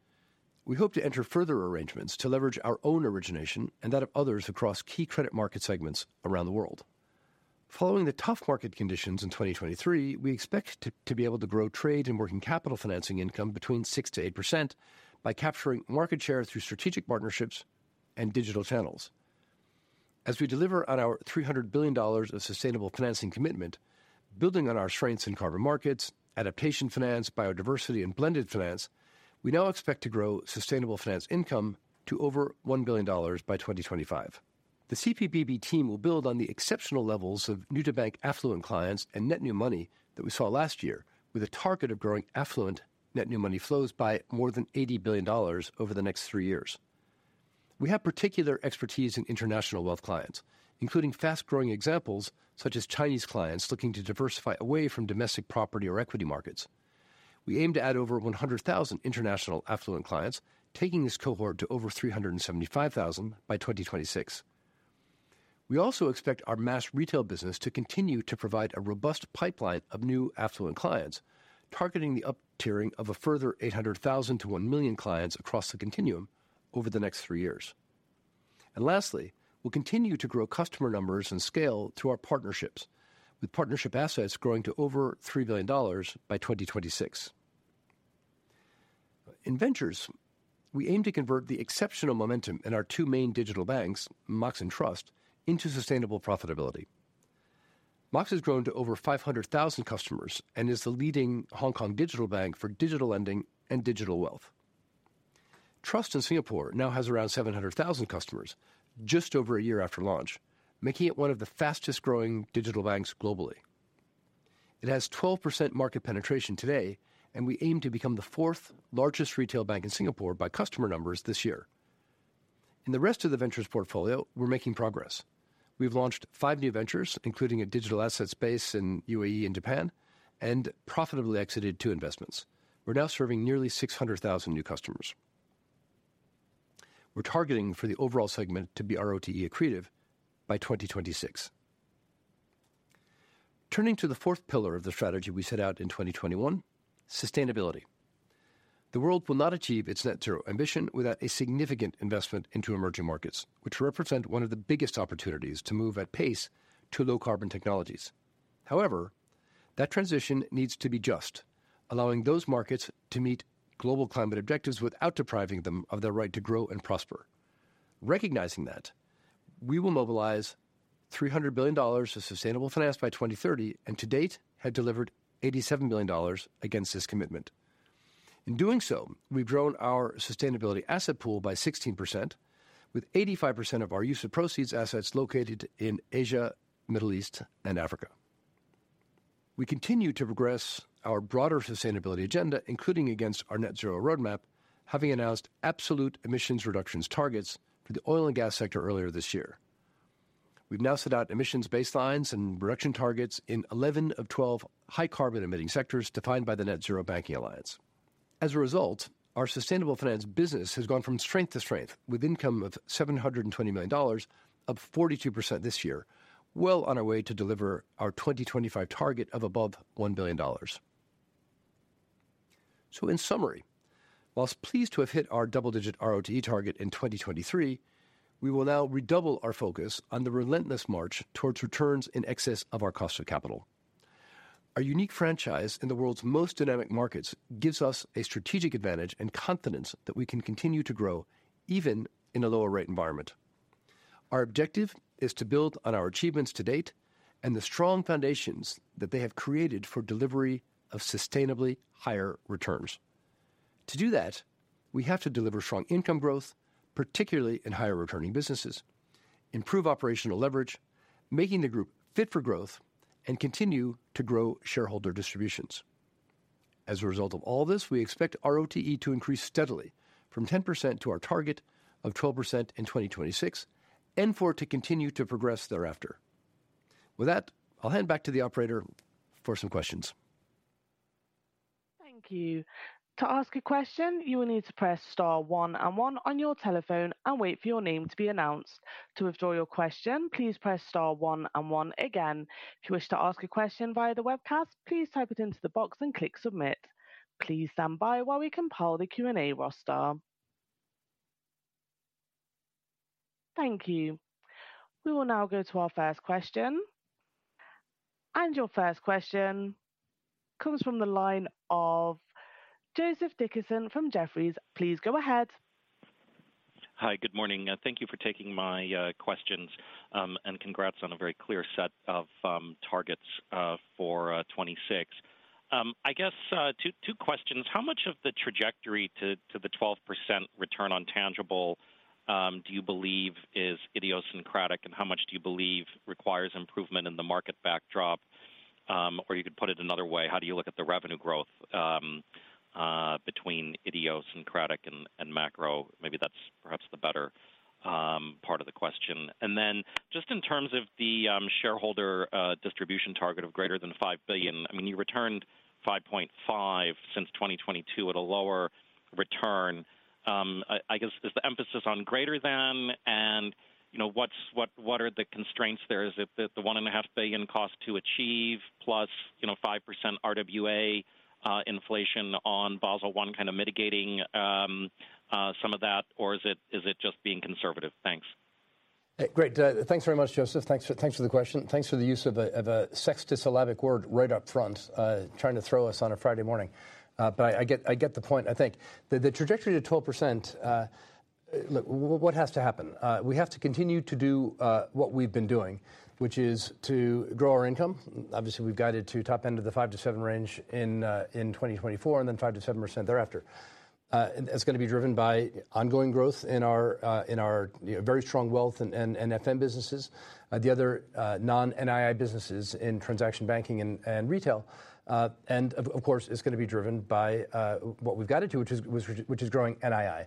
We hope to enter further arrangements to leverage our own origination and that of others across key credit market segments around the world. Following the tough market conditions in 2023, we expect to be able to grow trade and working capital financing income between 6%-8% by capturing market share through strategic partnerships and digital channels. As we deliver on our $300 billion of sustainable financing commitment, building on our strengths in carbon markets, adaptation finance, biodiversity, and blended finance, we now expect to grow sustainable finance income to over $1 billion by 2025. The CPBB team will build on the exceptional levels of new-to-bank affluent clients and net new money that we saw last year, with a target of growing affluent net new money flows by more than $80 billion over the next three years. We have particular expertise in international wealth clients, including fast-growing examples such as Chinese clients looking to diversify away from domestic property or equity markets. We aim to add over 100,000 international affluent clients, taking this cohort to over 375,000 by 2026. We also expect our mass retail business to continue to provide a robust pipeline of new affluent clients, targeting the up-tiering of a further 800,000-1,000,000 clients across the continuum over the next three years. Lastly, we'll continue to grow customer numbers and scale through our partnerships, with partnership assets growing to over $3 billion by 2026. In ventures, we aim to convert the exceptional momentum in our two main digital banks, Mox and Trust, into sustainable profitability. Mox has grown to over 500,000 customers and is the leading Hong Kong digital bank for digital lending and digital wealth. Trust in Singapore now has around 700,000 customers just over a year after launch, making it one of the fastest-growing digital banks globally. It has 12% market penetration today, and we aim to become the fourth-largest retail bank in Singapore by customer numbers this year. In the rest of the ventures portfolio, we're making progress. We've launched five new ventures, including a digital assets base in UAE and Japan, and profitably exited two investments. We're now serving nearly 600,000 new customers. We're targeting for the overall segment to be ROTE accretive by 2026. Turning to the fourth pillar of the strategy we set out in 2021: sustainability. The world will not achieve its net-zero ambition without a significant investment into emerging markets, which represent one of the biggest opportunities to move at pace to low-carbon technologies. However, that transition needs to be just, allowing those markets to meet global climate objectives without depriving them of their right to grow and prosper. Recognizing that, we will mobilize $300 billion of sustainable finance by 2030 and to date have delivered $87 billion against this commitment. In doing so, we've grown our sustainability asset pool by 16%, with 85% of our use of proceeds assets located in Asia, Middle East, and Africa. We continue to progress our broader sustainability agenda, including against our net-zero roadmap, having announced absolute emissions reductions targets for the oil and gas sector earlier this year. We've now set out emissions baselines and reduction targets in 11 of 12 high-carbon emitting sectors defined by the Net Zero Banking Alliance. As a result, our sustainable finance business has gone from strength to strength, with income of $720 million up 42% this year, well on our way to deliver our 2025 target of above $1 billion. So, in summary, while pleased to have hit our double-digit ROTE target in 2023, we will now redouble our focus on the relentless march towards returns in excess of our cost of capital. Our unique franchise in the world's most dynamic markets gives us a strategic advantage and confidence that we can continue to grow even in a lower-rate environment. Our objective is to build on our achievements to date and the strong foundations that they have created for delivery of sustainably higher returns. To do that, we have to deliver strong income growth, particularly in higher-returning businesses, improve operational leverage, make the group Fit for Growth, and continue to grow shareholder distributions. As a result of all this, we expect ROTE to increase steadily from 10% to our target of 12% in 2026 and for it to continue to progress thereafter. With that, I'll hand back to the operator for some questions. Thank you. To ask a question, you will need to press star one and one on your telephone and wait for your name to be announced. To withdraw your question, please press star one and one again. If you wish to ask a question via the webcast, please type it into the box and click submit. Please stand by while we compile the Q&A roster. Thank you. We will now go to our first question. And your first question comes from the line of Joseph Dickerson from Jefferies. Please go ahead. Hi, good morning. Thank you for taking my questions, and congrats on a very clear set of targets for 2026. I guess two questions. How much of the trajectory to the 12% return on tangible do you believe is idiosyncratic, and how much do you believe requires improvement in the market backdrop? Or you could put it another way: how do you look at the revenue growth between idiosyncratic and macro? Maybe that's perhaps the better part of the question. And then just in terms of the shareholder distribution target of greater than $5 billion, I mean, you returned $5.5 billion since 2022 at a lower return. I guess, is the emphasis on greater than, and what are the constraints there? Is it the $1.5 billion cost to achieve, plus 5% RWA inflation on Basel III, kind of mitigating some of that, or is it just being conservative? Thanks. Great. Thanks very much, Joseph. Thanks for the question. Thanks for the use of a six-syllable word right up front, trying to throw us on a Friday morning. But I get the point, I think. The trajectory to 12%, look, what has to happen? We have to continue to do what we've been doing, which is to grow our income. Obviously, we've guided to top end of the 5%-7% range in 2024 and then 5%-7% thereafter. That's going to be driven by ongoing growth in our very strong wealth and FM businesses, the other non-NII businesses in transaction banking and retail, and of course, it's going to be driven by what we've got to do, which is growing NII.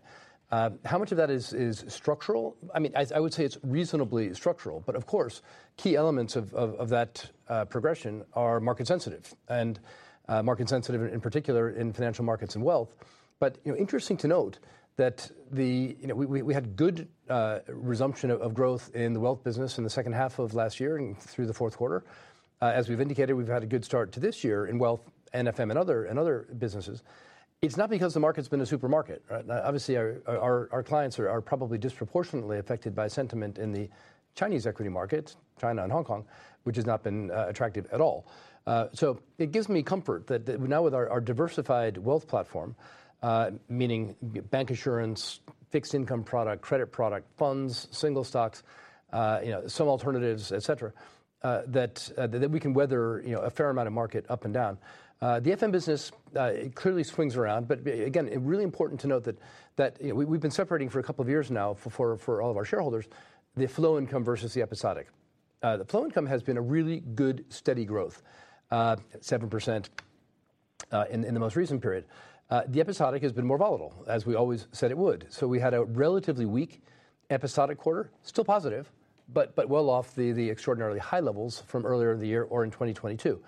How much of that is structural? I mean, I would say it's reasonably structural, but of course, key elements of that progression are market-sensitive, and market-sensitive in particular in financial markets and wealth. But interesting to note that we had good resumption of growth in the wealth business in the second half of last year and through the fourth quarter. As we've indicated, we've had a good start to this year in wealth, NFM, and other businesses. It's not because the market's been a supermarket, right? Obviously, our clients are probably disproportionately affected by sentiment in the Chinese equity market, China and Hong Kong, which has not been attractive at all. So it gives me comfort that now with our diversified wealth platform, meaning bank assurance, fixed income product, credit product, funds, single stocks, some alternatives, etc., that we can weather a fair amount of market up and down. The FM business clearly swings around, but again, really important to note that we've been separating for a couple of years now for all of our shareholders, the flow income versus the episodic. The flow income has been a really good steady growth, 7% in the most recent period. The episodic has been more volatile, as we always said it would. So we had a relatively weak episodic quarter, still positive, but well off the extraordinarily high levels from earlier in the year or in 2022.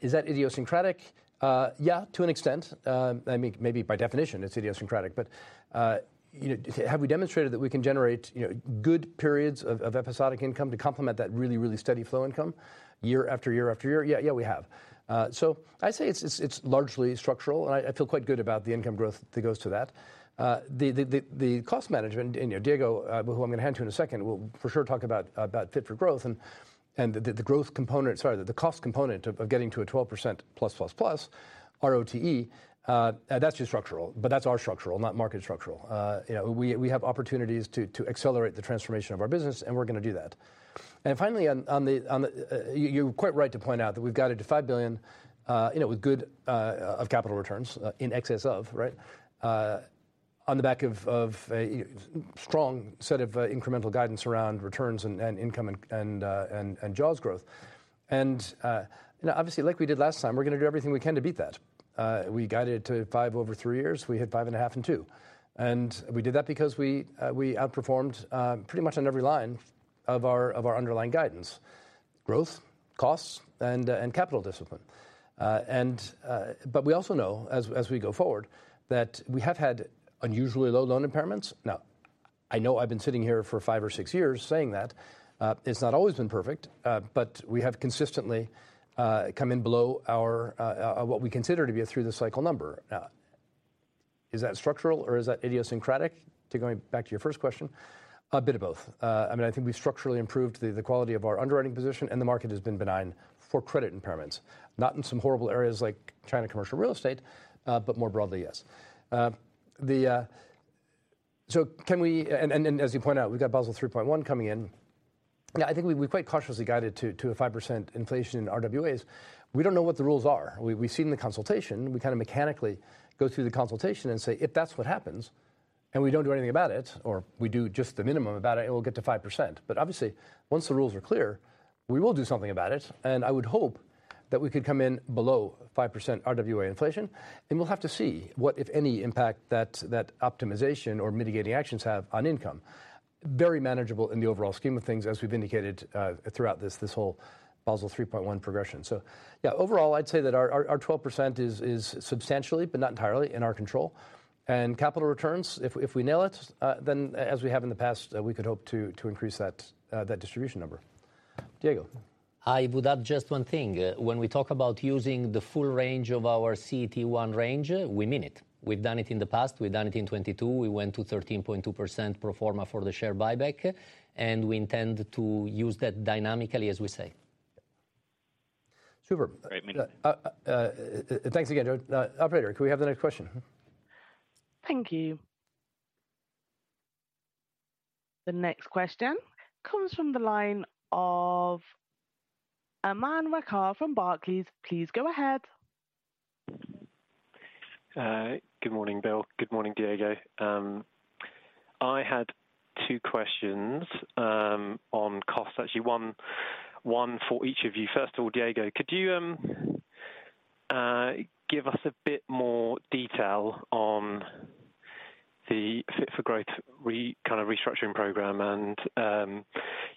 Is that idiosyncratic? Yeah, to an extent. I mean, maybe by definition, it's idiosyncratic, but have we demonstrated that we can generate good periods of episodic income to complement that really, really steady flow income year after year after year? Yeah, yeah, we have. So I'd say it's largely structural, and I feel quite good about the income growth that goes to that. The cost management, Diego, who I'm going to hand to in a second, will for sure talk about Fit for Growth and the growth component, sorry, the cost component of getting to a 12% plus, plus, plus ROTE—that's just structural, but that's our structural, not market structural. We have opportunities to accelerate the transformation of our business, and we're going to do that. And finally, you're quite right to point out that we've got it to $5 billion with good capital returns in excess of, right, on the back of a strong set of incremental guidance around returns and income and Jaws growth. And obviously, like we did last time, we're going to do everything we can to beat that. We guided it to $5 billion over three years. We hit $5.5 billion and two. We did that because we outperformed pretty much on every line of our underlying guidance: growth, costs, and capital discipline. We also know, as we go forward, that we have had unusually low loan impairments. Now, I know I've been sitting here for five or six years saying that. It's not always been perfect, but we have consistently come in below what we consider to be a through-the-cycle number. Now, is that structural or is that idiosyncratic? Going back to your first question, a bit of both. I mean, I think we've structurally improved the quality of our underwriting position, and the market has been benign for credit impairments, not in some horrible areas like China commercial real estate, but more broadly, yes. Can we—and as you point out, we've got Basel 3.1 coming in. Now, I think we quite cautiously guided to a 5% inflation in RWAs. We don't know what the rules are. We see in the consultation. We kind of mechanically go through the consultation and say, "If that's what happens and we don't do anything about it, or we do just the minimum about it, it will get to 5%." But obviously, once the rules are clear, we will do something about it. And I would hope that we could come in below 5% RWA inflation, and we'll have to see what, if any, impact that optimization or mitigating actions have on income. Very manageable in the overall scheme of things, as we've indicated throughout this whole Basel 3.1 progression. So yeah, overall, I'd say that our 12% is substantially, but not entirely, in our control. And capital returns, if we nail it, then as we have in the past, we could hope to increase that distribution number. Diego. I would add just one thing. When we talk about using the full range of our CET1 range, we mean it. We've done it in the past. We've done it in 2022. We went to 13.2% pro forma for the share buyback, and we intend to use that dynamically, as we say. Super. Great. Thanks again, Joe. Operator, could we have the next question? Thank you. The next question comes from the line of Aman Rakkar from Barclays. Please go ahead. Good morning, Bill. Good morning, Diego. I had two questions on costs, actually, one for each of you. First of all, Diego, could you give us a bit more detail on the Fit for Growth kind of restructuring program? And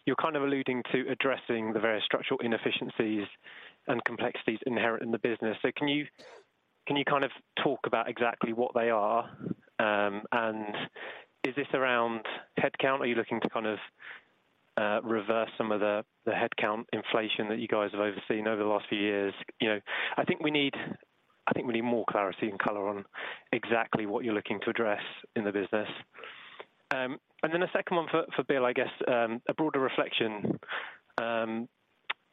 you're kind of alluding to addressing the various structural inefficiencies and complexities inherent in the business. So can you kind of talk about exactly what they are? And is this around headcount? Are you looking to kind of reverse some of the headcount inflation that you guys have overseen over the last few years? I think we need more clarity and color on exactly what you're looking to address in the business. And then a second one for Bill, I guess, a broader reflection.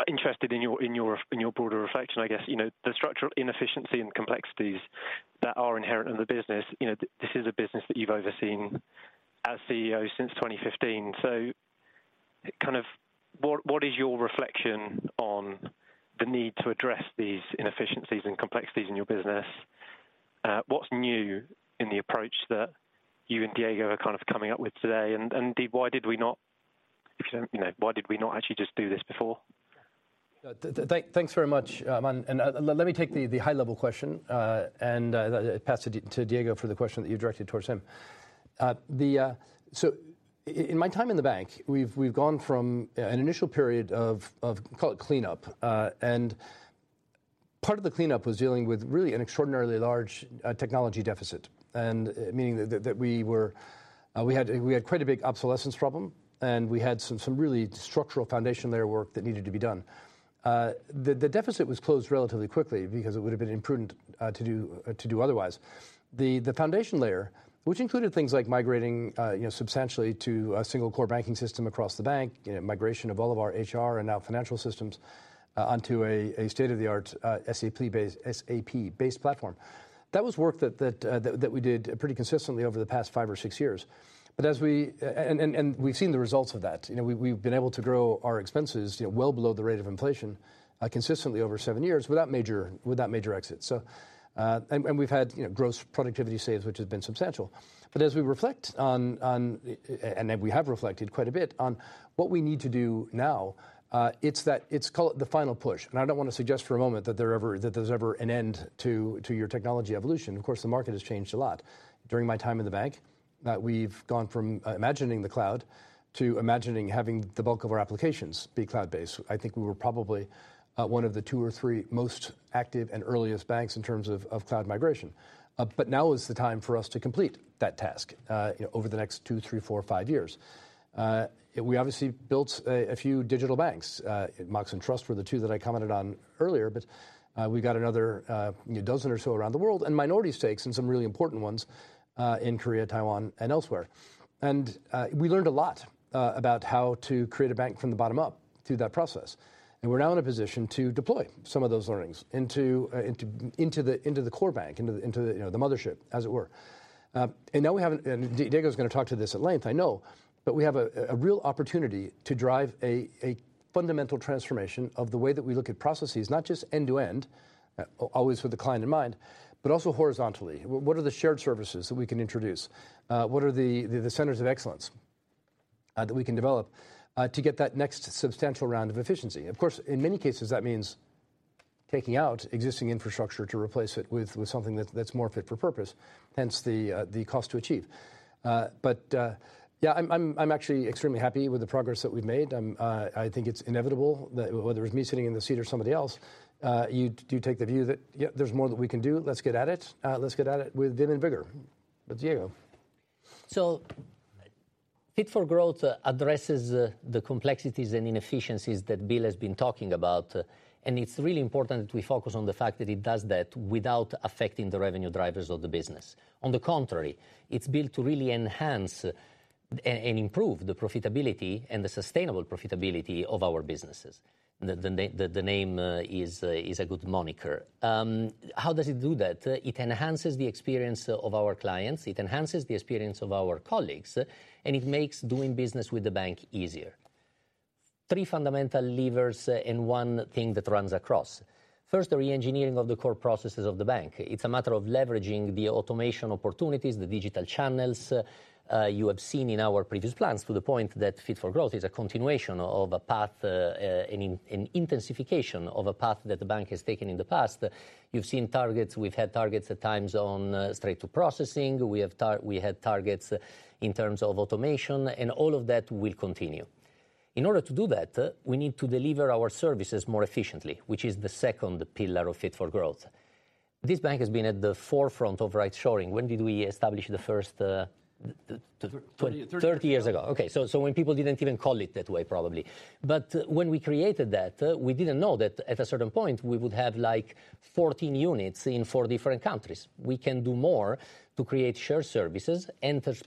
Interested in your broader reflection, I guess, the structural inefficiency and complexities that are inherent in the business. This is a business that you've overseen as CEO since 2015. So kind of what is your reflection on the need to address these inefficiencies and complexities in your business? What's new in the approach that you and Diego are kind of coming up with today? And indeed, why did we not, why did we not actually just do this before? Thanks very much, Aman. And let me take the high-level question, and I'll pass it to Diego for the question that you directed towards him. So in my time in the bank, we've gone from an initial period of, call it, cleanup. And part of the cleanup was dealing with really an extraordinarily large technology deficit, meaning that we had quite a big obsolescence problem, and we had some really structural foundation layer work that needed to be done. The deficit was closed relatively quickly because it would have been imprudent to do otherwise. The foundation layer, which included things like migrating substantially to a single core banking system across the bank, migration of all of our HR and now financial systems onto a state-of-the-art SAP-based platform, that was work that we did pretty consistently over the past five or six years. But as we, and we've seen the results of that. We've been able to grow our expenses well below the rate of inflation consistently over seven years without major exits. And we've had gross productivity saves, which has been substantial. But as we reflect on and we have reflected quite a bit on what we need to do now, it's called the final push. And I don't want to suggest for a moment that there's ever an end to your technology evolution. Of course, the market has changed a lot. During my time in the bank, we've gone from imagining the cloud to imagining having the bulk of our applications be cloud-based. I think we were probably one of the two or three most active and earliest banks in terms of cloud migration. But now is the time for us to complete that task over the next two, three, four, five years. We obviously built a few digital banks. Mox and Trust were the two that I commented on earlier, but we've got another dozen or so around the world and minority stakes and some really important ones in Korea, Taiwan, and elsewhere. We learned a lot about how to create a bank from the bottom up through that process. We're now in a position to deploy some of those learnings into the core bank, into the mothership, as it were. Now we have, and Diego's going to talk to this at length, I know, but we have a real opportunity to drive a fundamental transformation of the way that we look at processes, not just end-to-end, always with the client in mind, but also horizontally. What are the shared services that we can introduce? What are the centers of excellence that we can develop to get that next substantial round of efficiency? Of course, in many cases, that means taking out existing infrastructure to replace it with something that's more fit for purpose, hence the cost to achieve. But yeah, I'm actually extremely happy with the progress that we've made. I think it's inevitable that whether it's me sitting in the seat or somebody else, you do take the view that there's more that we can do. Let's get at it. Let's get at it with them and bigger. But Diego. So Fit for Growth addresses the complexities and inefficiencies that Bill has been talking about. And it's really important that we focus on the fact that it does that without affecting the revenue drivers of the business. On the contrary, it's built to really enhance and improve the profitability and the sustainable profitability of our businesses. The name is a good moniker. How does it do that? It enhances the experience of our clients. It enhances the experience of our colleagues. And it makes doing business with the bank easier. Three fundamental levers and one thing that runs across. First, the re-engineering of the core processes of the bank. It's a matter of leveraging the automation opportunities, the digital channels you have seen in our previous plans to the point that Fit for Growth is a continuation of a path and an intensification of a path that the bank has taken in the past. You've seen targets. We've had targets at times on straight-through processing. We had targets in terms of automation. And all of that will continue. In order to do that, we need to deliver our services more efficiently, which is the second pillar of Fit for Growth. This bank has been at the forefront of rightshoring. When did we establish the first? 30 years. 30 years ago. Okay. So when people didn't even call it that way, probably. But when we created that, we didn't know that at a certain point, we would have like 14 units in four different countries. We can do more to create shared services,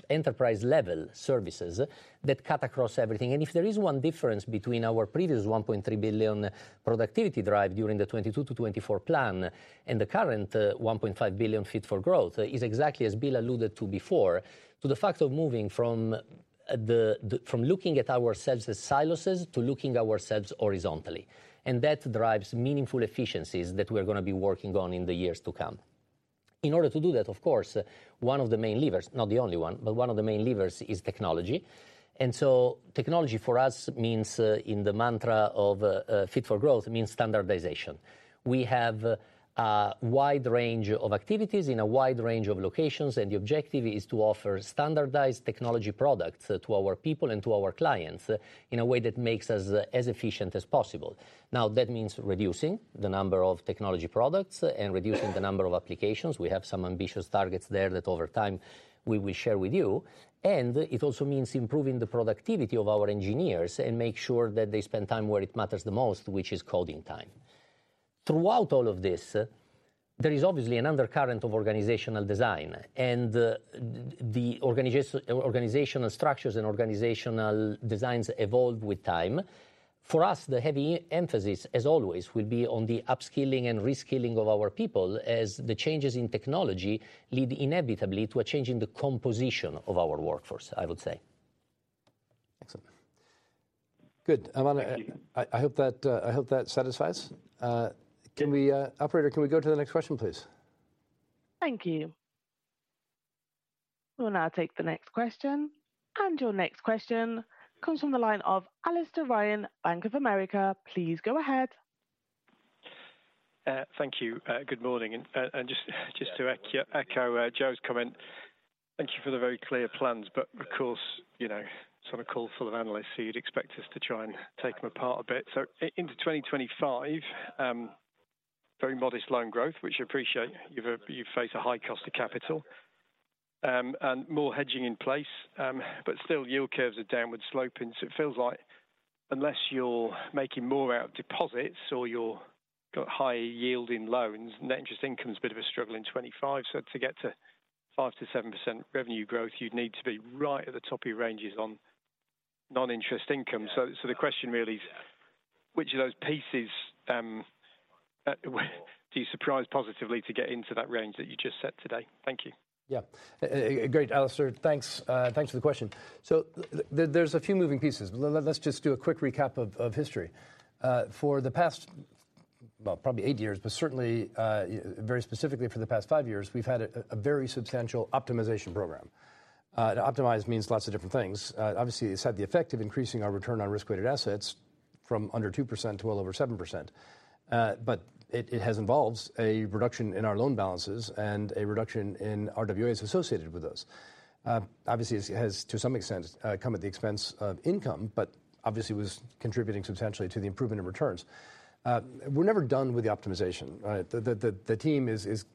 enterprise-level services that cut across everything. And if there is one difference between our previous $1.3 billion productivity drive during the 2022 to 2024 plan and the current $1.5 billion Fit for Growth is exactly as Bill alluded to before, to the fact of moving from looking at ourselves as silos to looking at ourselves horizontally. And that drives meaningful efficiencies that we are going to be working on in the years to come. In order to do that, of course, one of the main levers—not the only one, but one of the main levers—is technology. So technology for us means, in the mantra of Fit for Growth, means standardization. We have a wide range of activities in a wide range of locations, and the objective is to offer standardized technology products to our people and to our clients in a way that makes us as efficient as possible. Now, that means reducing the number of technology products and reducing the number of applications. We have some ambitious targets there that over time we will share with you. It also means improving the productivity of our engineers and making sure that they spend time where it matters the most, which is coding time. Throughout all of this, there is obviously an undercurrent of organizational design. The organizational structures and organizational designs evolve with time. For us, the heavy emphasis, as always, will be on the upskilling and reskilling of our people as the changes in technology lead inevitably to a change in the composition of our workforce, I would say. Excellent. Good. Aman, I hope that satisfies. Operator, can we go to the next question, please? Thank you. We'll now take the next question. And your next question comes from the line of Alastair Ryan, Bank of America. Please go ahead. Thank you. Good morning. And just to echo Joe's comment, thank you for the very clear plans. But of course, it's on a call full of analysts, so you'd expect us to try and take them apart a bit. So into 2025, very modest loan growth, which I appreciate. You've faced a high cost of capital and more hedging in place. But still, yield curves are downward sloping. So it feels like unless you're making more out of deposits or you've got high-yielding loans, net interest income is a bit of a struggle in 2025. So to get to 5%-7% revenue growth, you'd need to be right at the top of your ranges on non-interest income. So the question really is, which of those pieces do you surprise positively to get into that range that you just set today? Thank you. Yeah. Great, Alastair. Thanks for the question. So there's a few moving pieces. Let's just do a quick recap of history. For the past, well, probably eight years, but certainly very specifically for the past five years, we've had a very substantial optimization program. Optimize means lots of different things. Obviously, it's had the effect of increasing our return on risk-weighted assets from under 2% to well over 7%. But it has involved a reduction in our loan balances and a reduction in RWAs associated with those. Obviously, it has, to some extent, come at the expense of income, but obviously was contributing substantially to the improvement in returns. We're never done with the optimization. The team is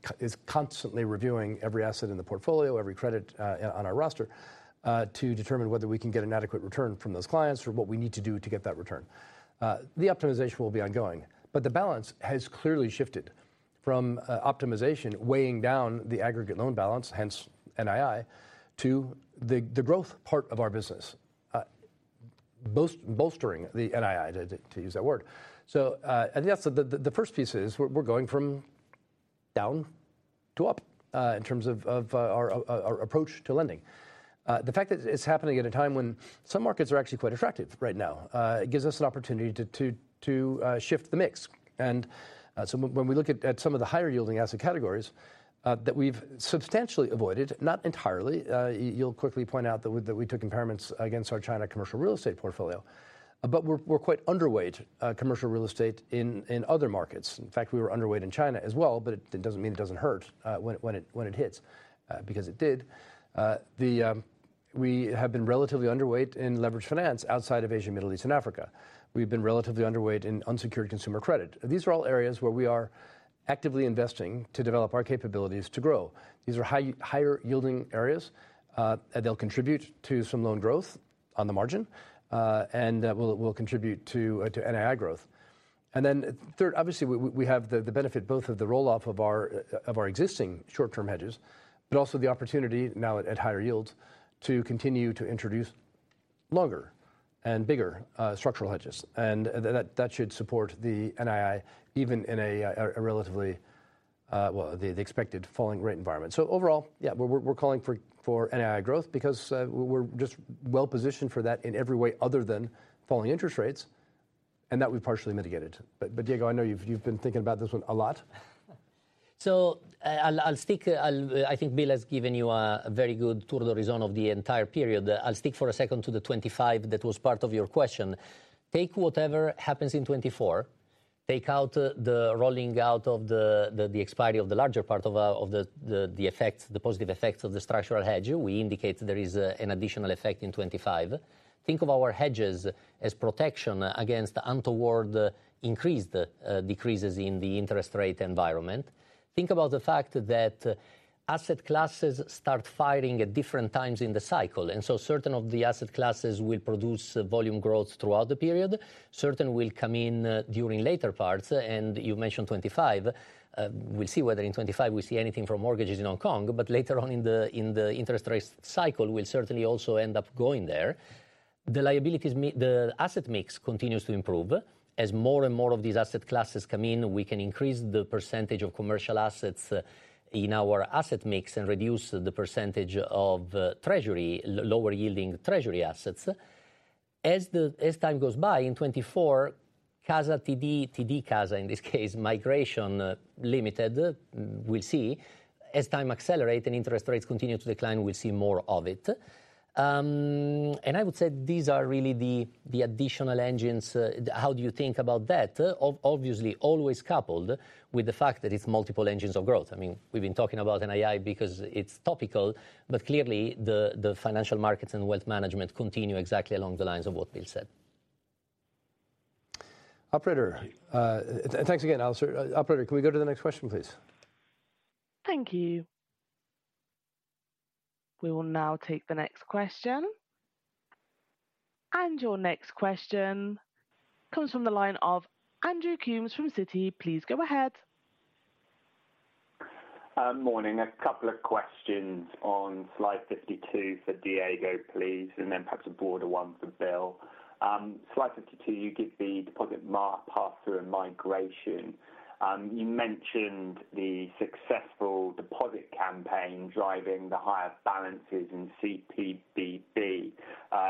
constantly reviewing every asset in the portfolio, every credit on our roster to determine whether we can get an adequate return from those clients or what we need to do to get that return. The optimization will be ongoing. But the balance has clearly shifted from optimization weighing down the aggregate loan balance, hence NII, to the growth part of our business, bolstering the NII, to use that word. So I think that's the first piece is we're going from down to up in terms of our approach to lending. The fact that it's happening at a time when some markets are actually quite attractive right now gives us an opportunity to shift the mix. When we look at some of the higher-yielding asset categories that we've substantially avoided, not entirely, you'll quickly point out that we took impairments against our China commercial real estate portfolio. We're quite underweight commercial real estate in other markets. In fact, we were underweight in China as well, but it doesn't mean it doesn't hurt when it hits because it did. We have been relatively underweight in leveraged finance outside of Asia, Middle East, and Africa. We've been relatively underweight in unsecured consumer credit. These are all areas where we are actively investing to develop our capabilities to grow. These are higher-yielding areas. They'll contribute to some loan growth on the margin and will contribute to NII growth. And then third, obviously, we have the benefit both of the roll-off of our existing short-term hedges, but also the opportunity now at higher yields to continue to introduce longer and bigger structural hedges. And that should support the NII even in a relatively, well, the expected falling-rate environment. So overall, yeah, we're calling for NII growth because we're just well-positioned for that in every way other than falling interest rates. And that we've partially mitigated. But Diego, I know you've been thinking about this one a lot. So I'll stick. I think Bill has given you a very good tour d'horizon of the entire period. I'll stick for a second to the 2025 that was part of your question. Take whatever happens in 2024. Take out the rolling out of the expiry of the larger part of the effect, the positive effects of the structural hedge. We indicate there is an additional effect in 2025. Think of our hedges as protection against untoward increased decreases in the interest rate environment. Think about the fact that asset classes start firing at different times in the cycle. And so certain of the asset classes will produce volume growth throughout the period. Certain will come in during later parts. And you mentioned 2025. We'll see whether in 2025 we see anything from mortgages in Hong Kong. But later on in the interest rate cycle, we'll certainly also end up going there. The asset mix continues to improve. As more and more of these asset classes come in, we can increase the percentage of commercial assets in our asset mix and reduce the percentage of lower-yielding treasury assets. As time goes by, in 2024, CASA TD, TD CASA in this case, Migration Limited, we'll see. As time accelerates and interest rates continue to decline, we'll see more of it. And I would say these are really the additional engines. How do you think about that? Obviously, always coupled with the fact that it's multiple engines of growth. I mean, we've been talking about NII because it's topical. But clearly, the financial markets and wealth management continue exactly along the lines of what Bill said. Operator, thanks again, Alastair. Operator, can we go to the next question, please? Thank you. We will now take the next question. Your next question comes from the line of Andrew Coombs from Citi. Please go ahead. Morning. A couple of questions on slide 52 for Diego, please, and then perhaps a broader one for Bill. Slide 52, you give the deposit pass-through and migration. You mentioned the successful deposit campaign driving the higher balances in CPBB.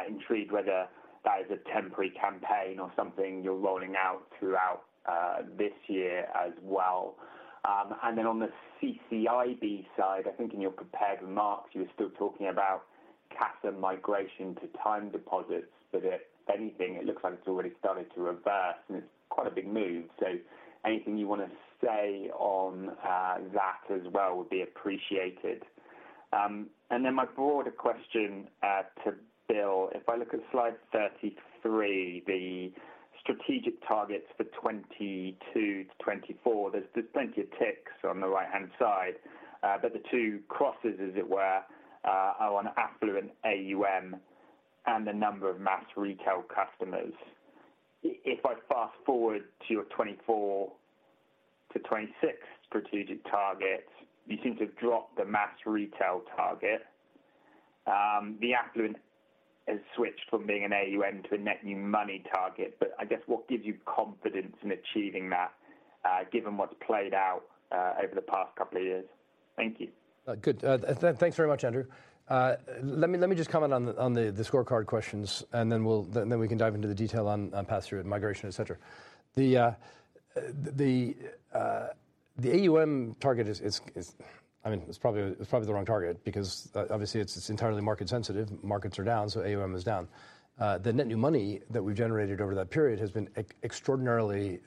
Intrigued whether that is a temporary campaign or something you're rolling out throughout this year as well. And then on the CCIB side, I think in your prepared remarks, you were still talking about CASA migration to time deposits. But if anything, it looks like it's already started to reverse. And it's quite a big move. So anything you want to say on that as well would be appreciated. And then my broader question to Bill. If I look at slide 33, the strategic targets for 2022 to 2024, there's plenty of ticks on the right-hand side. But the two crosses, as it were, are on affluent AUM and the number of mass retail customers. If I fast-forward to your 2024 to 2026 strategic targets, you seem to have dropped the mass retail target. The affluent has switched from being an AUM to a net new money target. But I guess what gives you confidence in achieving that, given what's played out over the past couple of years? Thank you. Good. Thanks very much, Andrew. Let me just comment on the scorecard questions. Then we can dive into the detail on pass-through and migration, etc. The AUM target is, I mean, it's probably the wrong target because obviously, it's entirely market-sensitive. Markets are down. So AUM is down. The net new money that we've generated over that period has been extraordinarily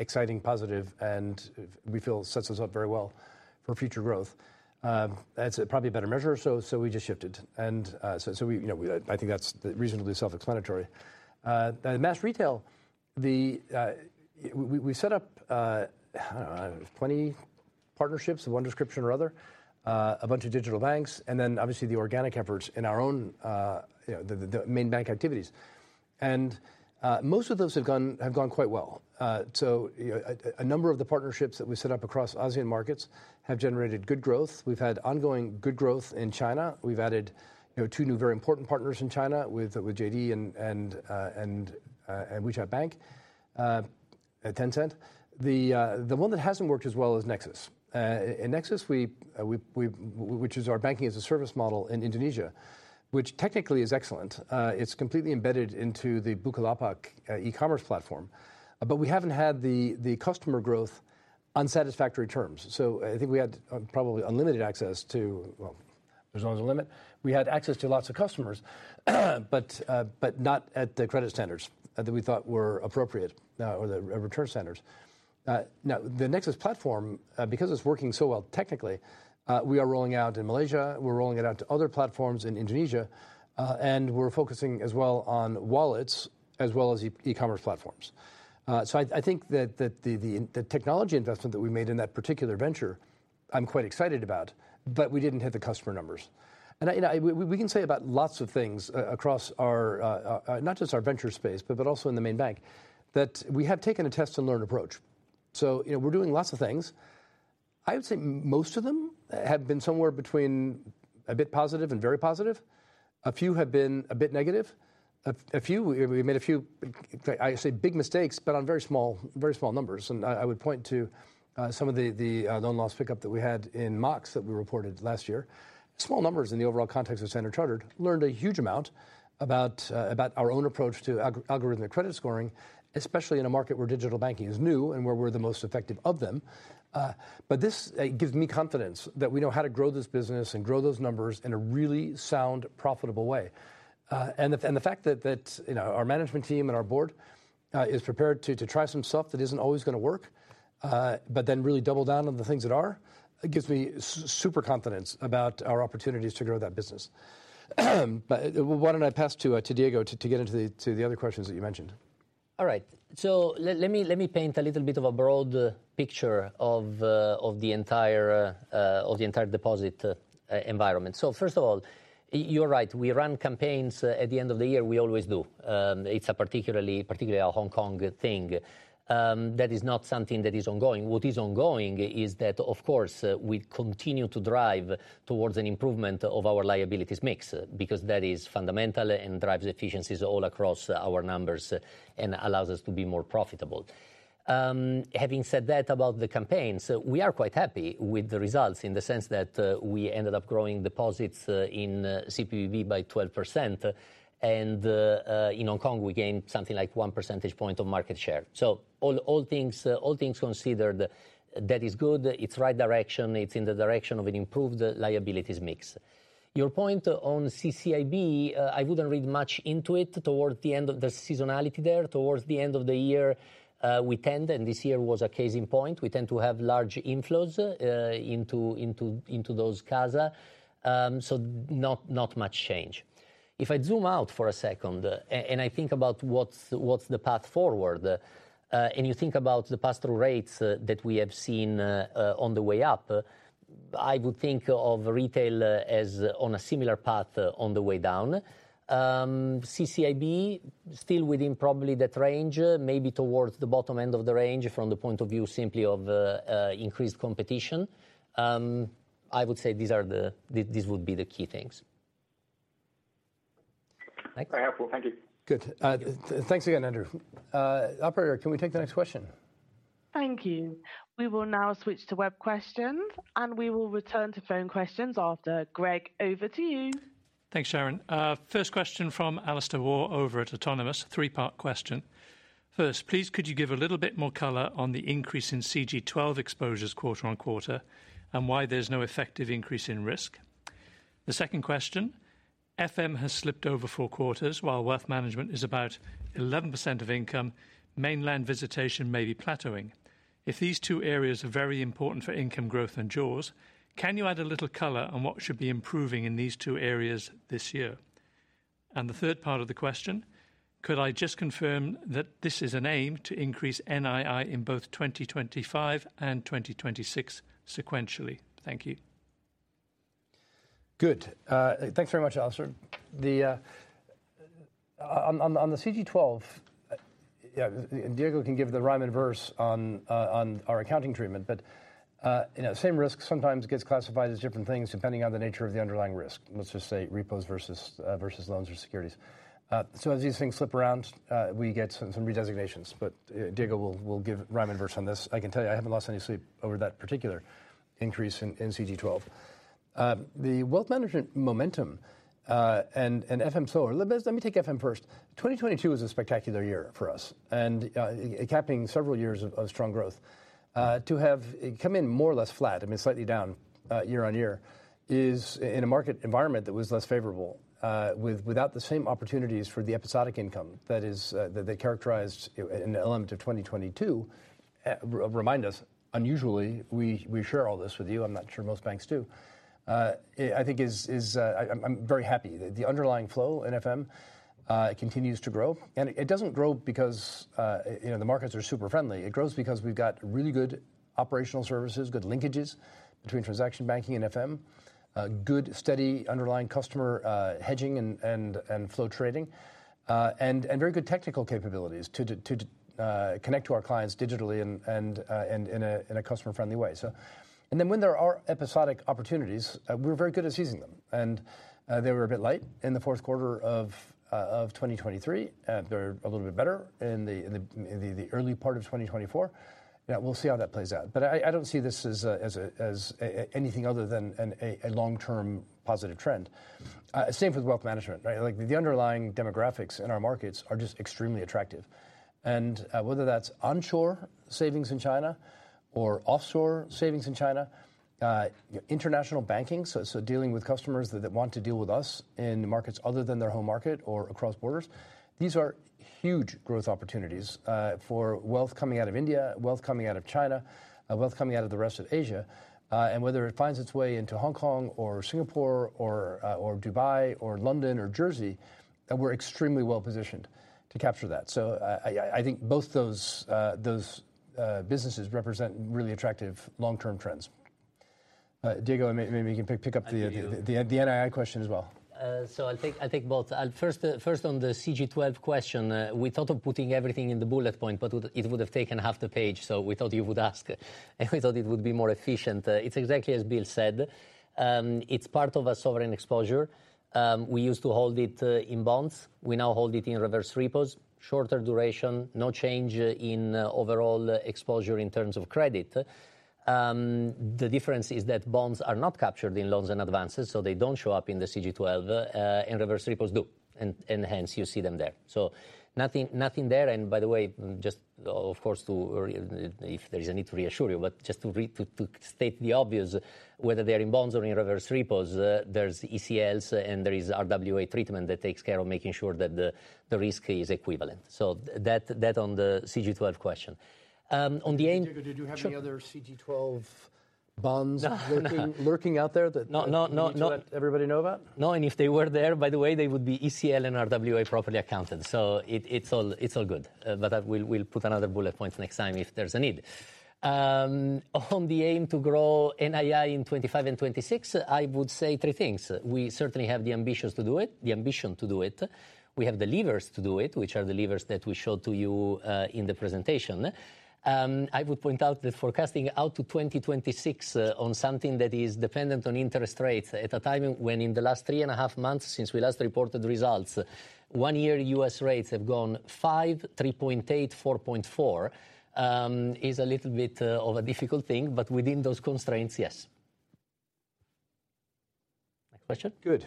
exciting, positive, and we feel sets us up very well for future growth. That's probably a better measure. So we just shifted. So I think that's reasonably self-explanatory. The mass retail, we've set up, I don't know, 20 partnerships of one description or other, a bunch of digital banks, and then obviously the organic efforts in our own main bank activities. And most of those have gone quite well. So a number of the partnerships that we set up across ASEAN markets have generated good growth. We've had ongoing good growth in China. We've added two new very important partners in China with JD and WeBank, Tencent. The one that hasn't worked as well is Nexus. In Nexus, which is our banking-as-a-service model in Indonesia, which technically is excellent, it's completely embedded into the Bukalapak e-commerce platform. But we haven't had the customer growth on satisfactory terms. So I think we had probably unlimited access to well, there's always a limit. We had access to lots of customers, but not at the credit standards that we thought were appropriate or the return standards. Now, the Nexus platform, because it's working so well technically, we are rolling out in Malaysia. We're rolling it out to other platforms in Indonesia. And we're focusing as well on wallets as well as e-commerce platforms. So I think that the technology investment that we made in that particular venture, I'm quite excited about, but we didn't hit the customer numbers. And we can say about lots of things across our not just our venture space, but also in the main bank that we have taken a test-and-learn approach. So we're doing lots of things. I would say most of them have been somewhere between a bit positive and very positive. A few have been a bit negative. A few we've made a few, I say, big mistakes, but on very small numbers. And I would point to some of the loan loss pickup that we had in MOX that we reported last year. Small numbers in the overall context of Standard Chartered learned a huge amount about our own approach to algorithmic credit scoring, especially in a market where digital banking is new and where we're the most effective of them. This gives me confidence that we know how to grow this business and grow those numbers in a really sound, profitable way. The fact that our management team and our board is prepared to try some stuff that isn't always going to work, but then really double down on the things that are, gives me super confidence about our opportunities to grow that business. Why don't I pass to Diego to get into the other questions that you mentioned? All right. Let me paint a little bit of a broad picture of the entire deposit environment. First of all, you're right. We run campaigns at the end of the year. We always do. It's particularly our Hong Kong thing. That is not something that is ongoing. What is ongoing is that, of course, we continue to drive towards an improvement of our liabilities mix because that is fundamental and drives efficiencies all across our numbers and allows us to be more profitable. Having said that about the campaigns, we are quite happy with the results in the sense that we ended up growing deposits in CPBB by 12%. In Hong Kong, we gained something like one percentage point of market share. All things considered, that is good. It's right direction. It's in the direction of an improved liabilities mix. Your point on CCIB, I wouldn't read much into it towards the end of the seasonality there. Towards the end of the year, we tend and this year was a case in point, we tend to have large inflows into those CASA. So not much change. If I zoom out for a second and I think about what's the path forward and you think about the pass-through rates that we have seen on the way up, I would think of retail as on a similar path on the way down. CCIB, still within probably that range, maybe towards the bottom end of the range from the point of view simply of increased competition. I would say these would be the key things. Very helpful. Thank you. Good. Thanks again, Andrew. Operator, can we take the next question? Thank you. We will now switch to web questions. We will return to phone questions after. Gregg, over to you. Thanks, Sharon. First question from Alastair Warr over at Autonomous Research. Three-part question. First, please, could you give a little bit more color on the increase in CG12 exposures quarter-on-quarter and why there's no effective increase in risk? The second question, FM has slipped over four quarters while wealth management is about 11% of income. Mainland visitation may be plateauing. If these two areas are very important for income growth and jaws, can you add a little color on what should be improving in these two areas this year? And the third part of the question, could I just confirm that this is an aim to increase NII in both 2025 and 2026 sequentially? Thank you. Good. Thanks very much, Alastair. On the CG12, yeah, Diego can give the rhyme and verse on our accounting treatment. But same risk sometimes gets classified as different things depending on the nature of the underlying risk. Let's just say repos versus loans or securities. So as these things slip around, we get some redesignations. But Diego will give rhyme and verse on this. I can tell you I haven't lost any sleep over that particular increase in CG12. The wealth management momentum and FM slower let me take FM first. 2022 was a spectacular year for us and capping several years of strong growth. To have come in more or less flat, I mean, slightly down year-on-year is in a market environment that was less favorable without the same opportunities for the episodic income that characterized an element of 2022. Remind us, unusually, we share all this with you. I'm not sure most banks do. I think I'm very happy that the underlying flow in FM continues to grow. And it doesn't grow because the markets are super friendly. It grows because we've got really good operational services, good linkages between transaction banking and FM, good steady underlying customer hedging and flow trading, and very good technical capabilities to connect to our clients digitally and in a customer-friendly way. And then when there are episodic opportunities, we're very good at seizing them. And they were a bit late in the fourth quarter of 2023. They were a little bit better in the early part of 2024. We'll see how that plays out. But I don't see this as anything other than a long-term positive trend. Same for the wealth management, right? The underlying demographics in our markets are just extremely attractive. And whether that's onshore savings in China or offshore savings in China, international banking, so dealing with customers that want to deal with us in markets other than their home market or across borders, these are huge growth opportunities for wealth coming out of India, wealth coming out of China, wealth coming out of the rest of Asia. And whether it finds its way into Hong Kong or Singapore or Dubai or London or Jersey, we're extremely well-positioned to capture that. So I think both those businesses represent really attractive long-term trends. Diego, maybe you can pick up the NII question as well. So I think both. First, on the CG12 question, we thought of putting everything in the bullet point, but it would have taken half the page. So we thought you would ask. And we thought it would be more efficient. It's exactly as Bill said. It's part of a sovereign exposure. We used to hold it in bonds. We now hold it in reverse repos. Shorter duration, no change in overall exposure in terms of credit. The difference is that bonds are not captured in loans and advances. So they don't show up in the CG12. And reverse repos do. And hence, you see them there. So nothing there. And by the way, just, of course, if there is a need to reassure you, but just to state the obvious, whether they're in bonds or in reverse repos, there's ECLs and there is RWA treatment that takes care of making sure that the risk is equivalent. So that on the CG12 question. On the AME. Diego, did you have any other CG12 bonds lurking out there that you wanted to let everybody know about? No. And if they were there, by the way, they would be ECL and RWA properly accounted. So it's all good. But we'll put another bullet point next time if there's a need. On the aim to grow NII in 2025 and 2026, I would say three things. We certainly have the ambition to do it, the ambition to do it. We have the levers to do it, which are the levers that we showed to you in the presentation. I would point out that forecasting out to 2026 on something that is dependent on interest rates at a time when in the last three and a half months since we last reported results, one-year U.S. rates have gone 5%, 3.8%, 4.4% is a little bit of a difficult thing. But within those constraints, yes. Next question. Good.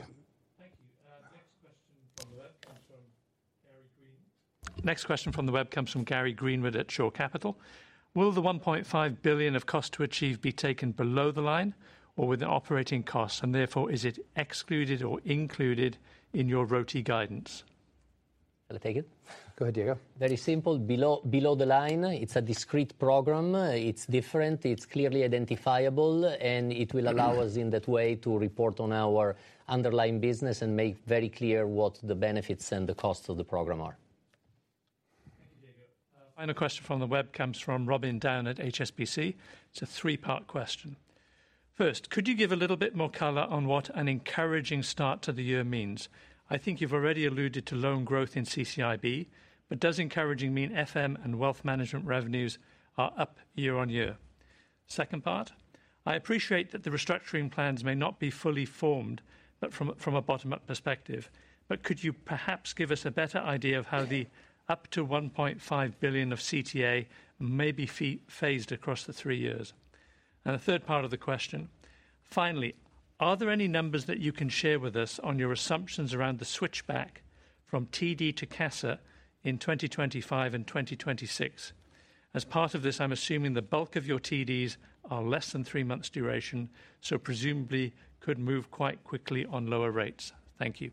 Next question from the web comes from Gary Greenwood at Shore Capital. Will the $1.5 billion of cost to achieve be taken below the line or within operating costs? And therefore, is it excluded or included in your ROTE guidance? Shall I take it? Go ahead, Diego. Very simple. Below the line, it's a discrete program. It's different. It's clearly identifiable. And it will allow us in that way to report on our underlying business and make very clear what the benefits and the costs of the program are. Thank you, Diego. Final question from the web comes from Robin Down at HSBC. It's a three-part question. First, could you give a little bit more color on what an encouraging start to the year means? I think you've already alluded to loan growth in CCIB, but does encouraging mean FM and wealth management revenues are up year-on-year? Second part, I appreciate that the restructuring plans may not be fully formed, but from a bottom-up perspective. But could you perhaps give us a better idea of how the up to $1.5 billion of CTA may be phased across the three years? And the third part of the question, finally, are there any numbers that you can share with us on your assumptions around the switchback from TD to CASA in 2025 and 2026? As part of this, I'm assuming the bulk of your TDs are less than three months' duration, so presumably could move quite quickly on lower rates. Thank you.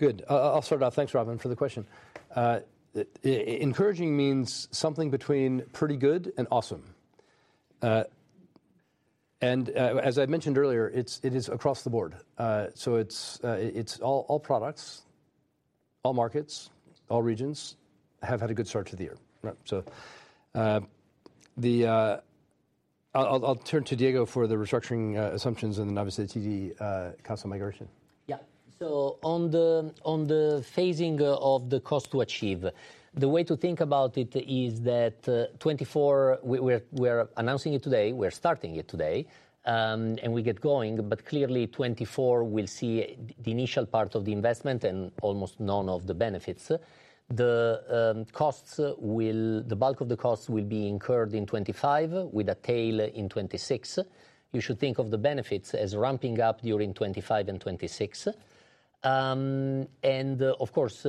Good. I'll start out. Thanks, Robin, for the question. Encouraging means something between pretty good and awesome. And as I mentioned earlier, it is across the board. So it's all products, all markets, all regions have had a good start to the year. So I'll turn to Diego for the restructuring assumptions and then, obviously, the TD CASA migration. Yeah. So on the phasing of the cost to achieve, the way to think about it is that 2024 we're announcing it today. We're starting it today. And we get going. But clearly, 2024 we'll see the initial part of the investment and almost none of the benefits. The bulk of the costs will be incurred in 2025 with a tail in 2026. You should think of the benefits as ramping up during 2025 and 2026. And of course,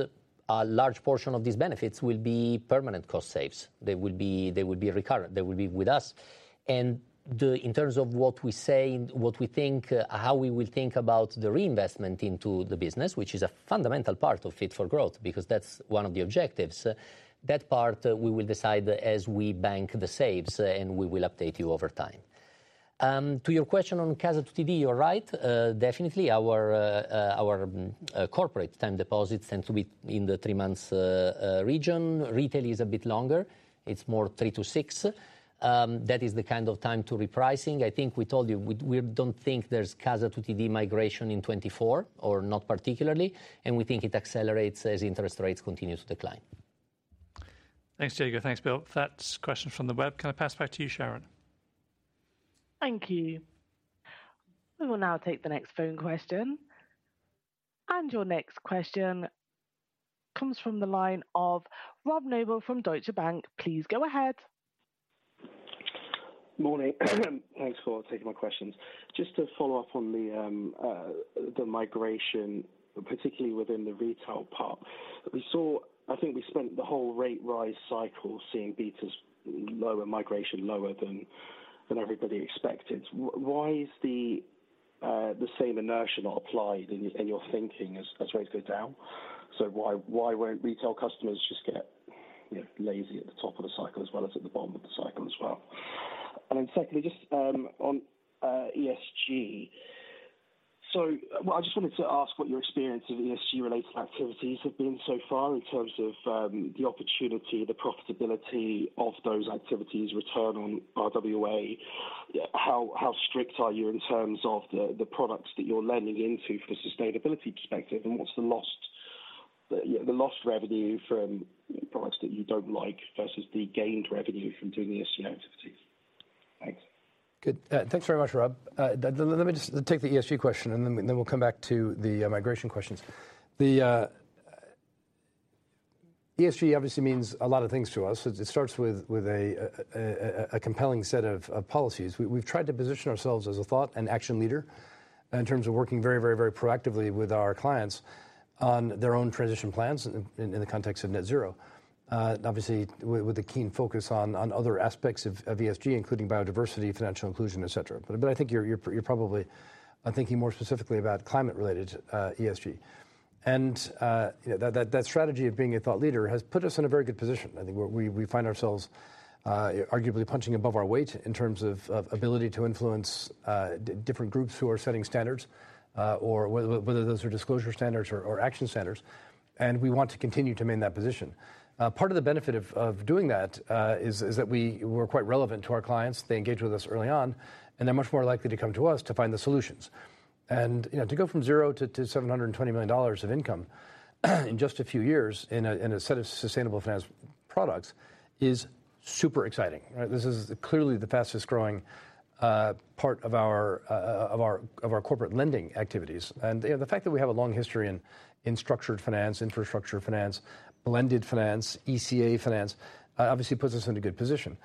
a large portion of these benefits will be permanent cost saves. They will be with us. And in terms of what we say, what we think, how we will think about the reinvestment into the business, which is a fundamental part of Fit for Growth because that's one of the objectives, that part we will decide as we bank the saves. And we will update you over time. To your question on CASA to TD, you're right. Definitely, our corporate term deposits tend to be in the three-month region. Retail is a bit longer. It's more three-six. That is the kind of time to repricing. I think we told you we don't think there's CASA to TD migration in 2024 or not particularly. And we think it accelerates as interest rates continue to decline. Thanks, Diego. Thanks, Bill. That's a question from the web. Can I pass back to you, Sharon? Thank you. We will now take the next phone question. Your next question comes from the line of Rob Noble from Deutsche Bank. Please go ahead. Morning. Thanks for taking my questions. Just to follow up on the migration, particularly within the retail part, we saw I think we spent the whole rate rise cycle seeing BETAs lower, migration lower than everybody expected. Why is the same inertia not applied in your thinking as rates go down? So why won't retail customers just get lazy at the top of the cycle as well as at the bottom of the cycle as well? And then secondly, just on ESG. So I just wanted to ask what your experience of ESG-related activities have been so far in terms of the opportunity, the profitability of those activities, return on RWA. How strict are you in terms of the products that you're lending into for the sustainability perspective? And what's the lost revenue from products that you don't like versus the gained revenue from doing the ESG activities? Thanks. Good. Thanks very much, Rob. Let me just take the ESG question. And then we'll come back to the migration questions. The ESG obviously means a lot of things to us. It starts with a compelling set of policies. We've tried to position ourselves as a thought and action leader in terms of working very, very, very proactively with our clients on their own transition plans in the context of net zero, obviously, with a keen focus on other aspects of ESG, including biodiversity, financial inclusion, etc. But I think you're probably thinking more specifically about climate-related ESG. And that strategy of being a thought leader has put us in a very good position. I think we find ourselves arguably punching above our weight in terms of ability to influence different groups who are setting standards, whether those are disclosure standards or action standards. We want to continue to maintain that position. Part of the benefit of doing that is that we're quite relevant to our clients. They engage with us early on. They're much more likely to come to us to find the solutions. To go from zero to $720 million of income in just a few years in a set of sustainable finance products is super exciting, right? This is clearly the fastest-growing part of our corporate lending activities. The fact that we have a long history in structured finance, infrastructure finance, blended finance, ECA finance obviously puts us in a good position.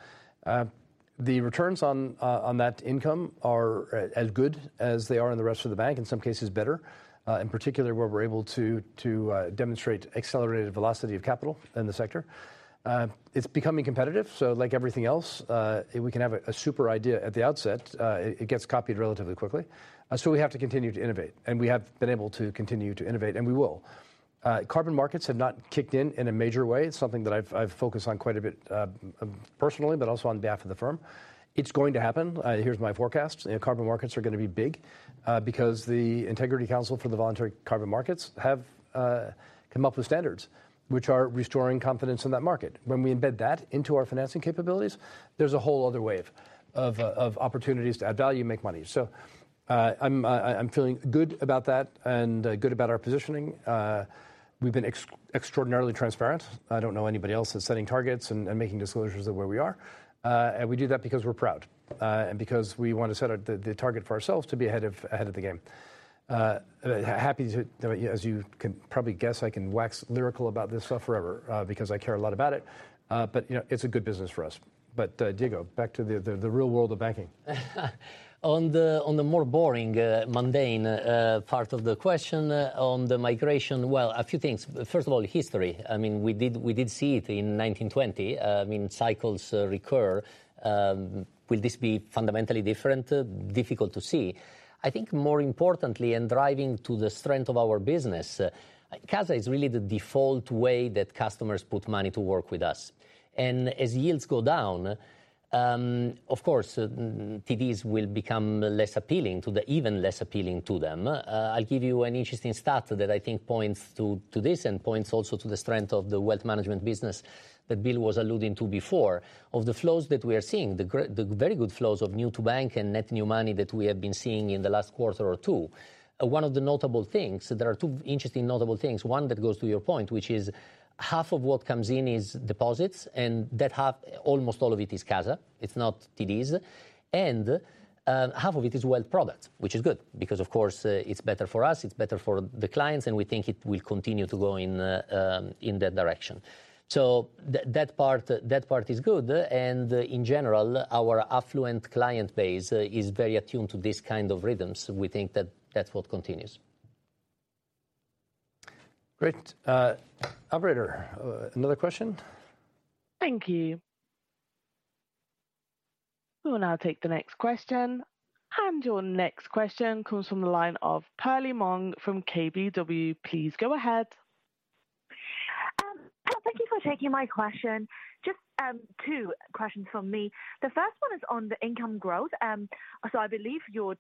The returns on that income are as good as they are in the rest of the bank, in some cases better, in particular where we're able to demonstrate accelerated velocity of capital in the sector. It's becoming competitive. So like everything else, we can have a super idea at the outset. It gets copied relatively quickly. So we have to continue to innovate. And we have been able to continue to innovate. And we will. Carbon markets have not kicked in in a major way. It's something that I've focused on quite a bit personally, but also on behalf of the firm. It's going to happen. Here's my forecast. Carbon markets are going to be big because the Integrity Council for the Voluntary Carbon Markets have come up with standards, which are restoring confidence in that market. When we embed that into our financing capabilities, there's a whole other wave of opportunities to add value, make money. So I'm feeling good about that and good about our positioning. We've been extraordinarily transparent. I don't know anybody else that's setting targets and making disclosures of where we are. We do that because we're proud and because we want to set the target for ourselves to be ahead of the game. Happy to, as you can probably guess, I can wax lyrical about this stuff forever because I care a lot about it. It's a good business for us. Diego, back to the real world of banking. On the more boring, mundane part of the question on the migration, well, a few things. First of all, history. I mean, we did see it in 1920. I mean, cycles recur. Will this be fundamentally different? Difficult to see. I think more importantly and driving to the strength of our business, CASA is really the default way that customers put money to work with us. And as yields go down, of course, TDs will become less appealing to the even less appealing to them. I'll give you an interesting stat that I think points to this and points also to the strength of the wealth management business that Bill was alluding to before of the flows that we are seeing, the very good flows of new-to-bank and net new money that we have been seeing in the last quarter or two. One of the notable things there are two interesting notable things, one that goes to your point, which is half of what comes in is deposits. Almost all of it is CASA. It's not TDs. Half of it is wealth products, which is good because, of course, it's better for us. It's better for the clients. We think it will continue to go in that direction. So that part is good. In general, our affluent client base is very attuned to this kind of rhythms. We think that that's what continues. Great. Operator, another question? Thank you. We will now take the next question. Your next question comes from the line of Perlie Mong from KBW. Please go ahead. Thank you for taking my question. Just two questions from me. The first one is on the income growth. So I believe your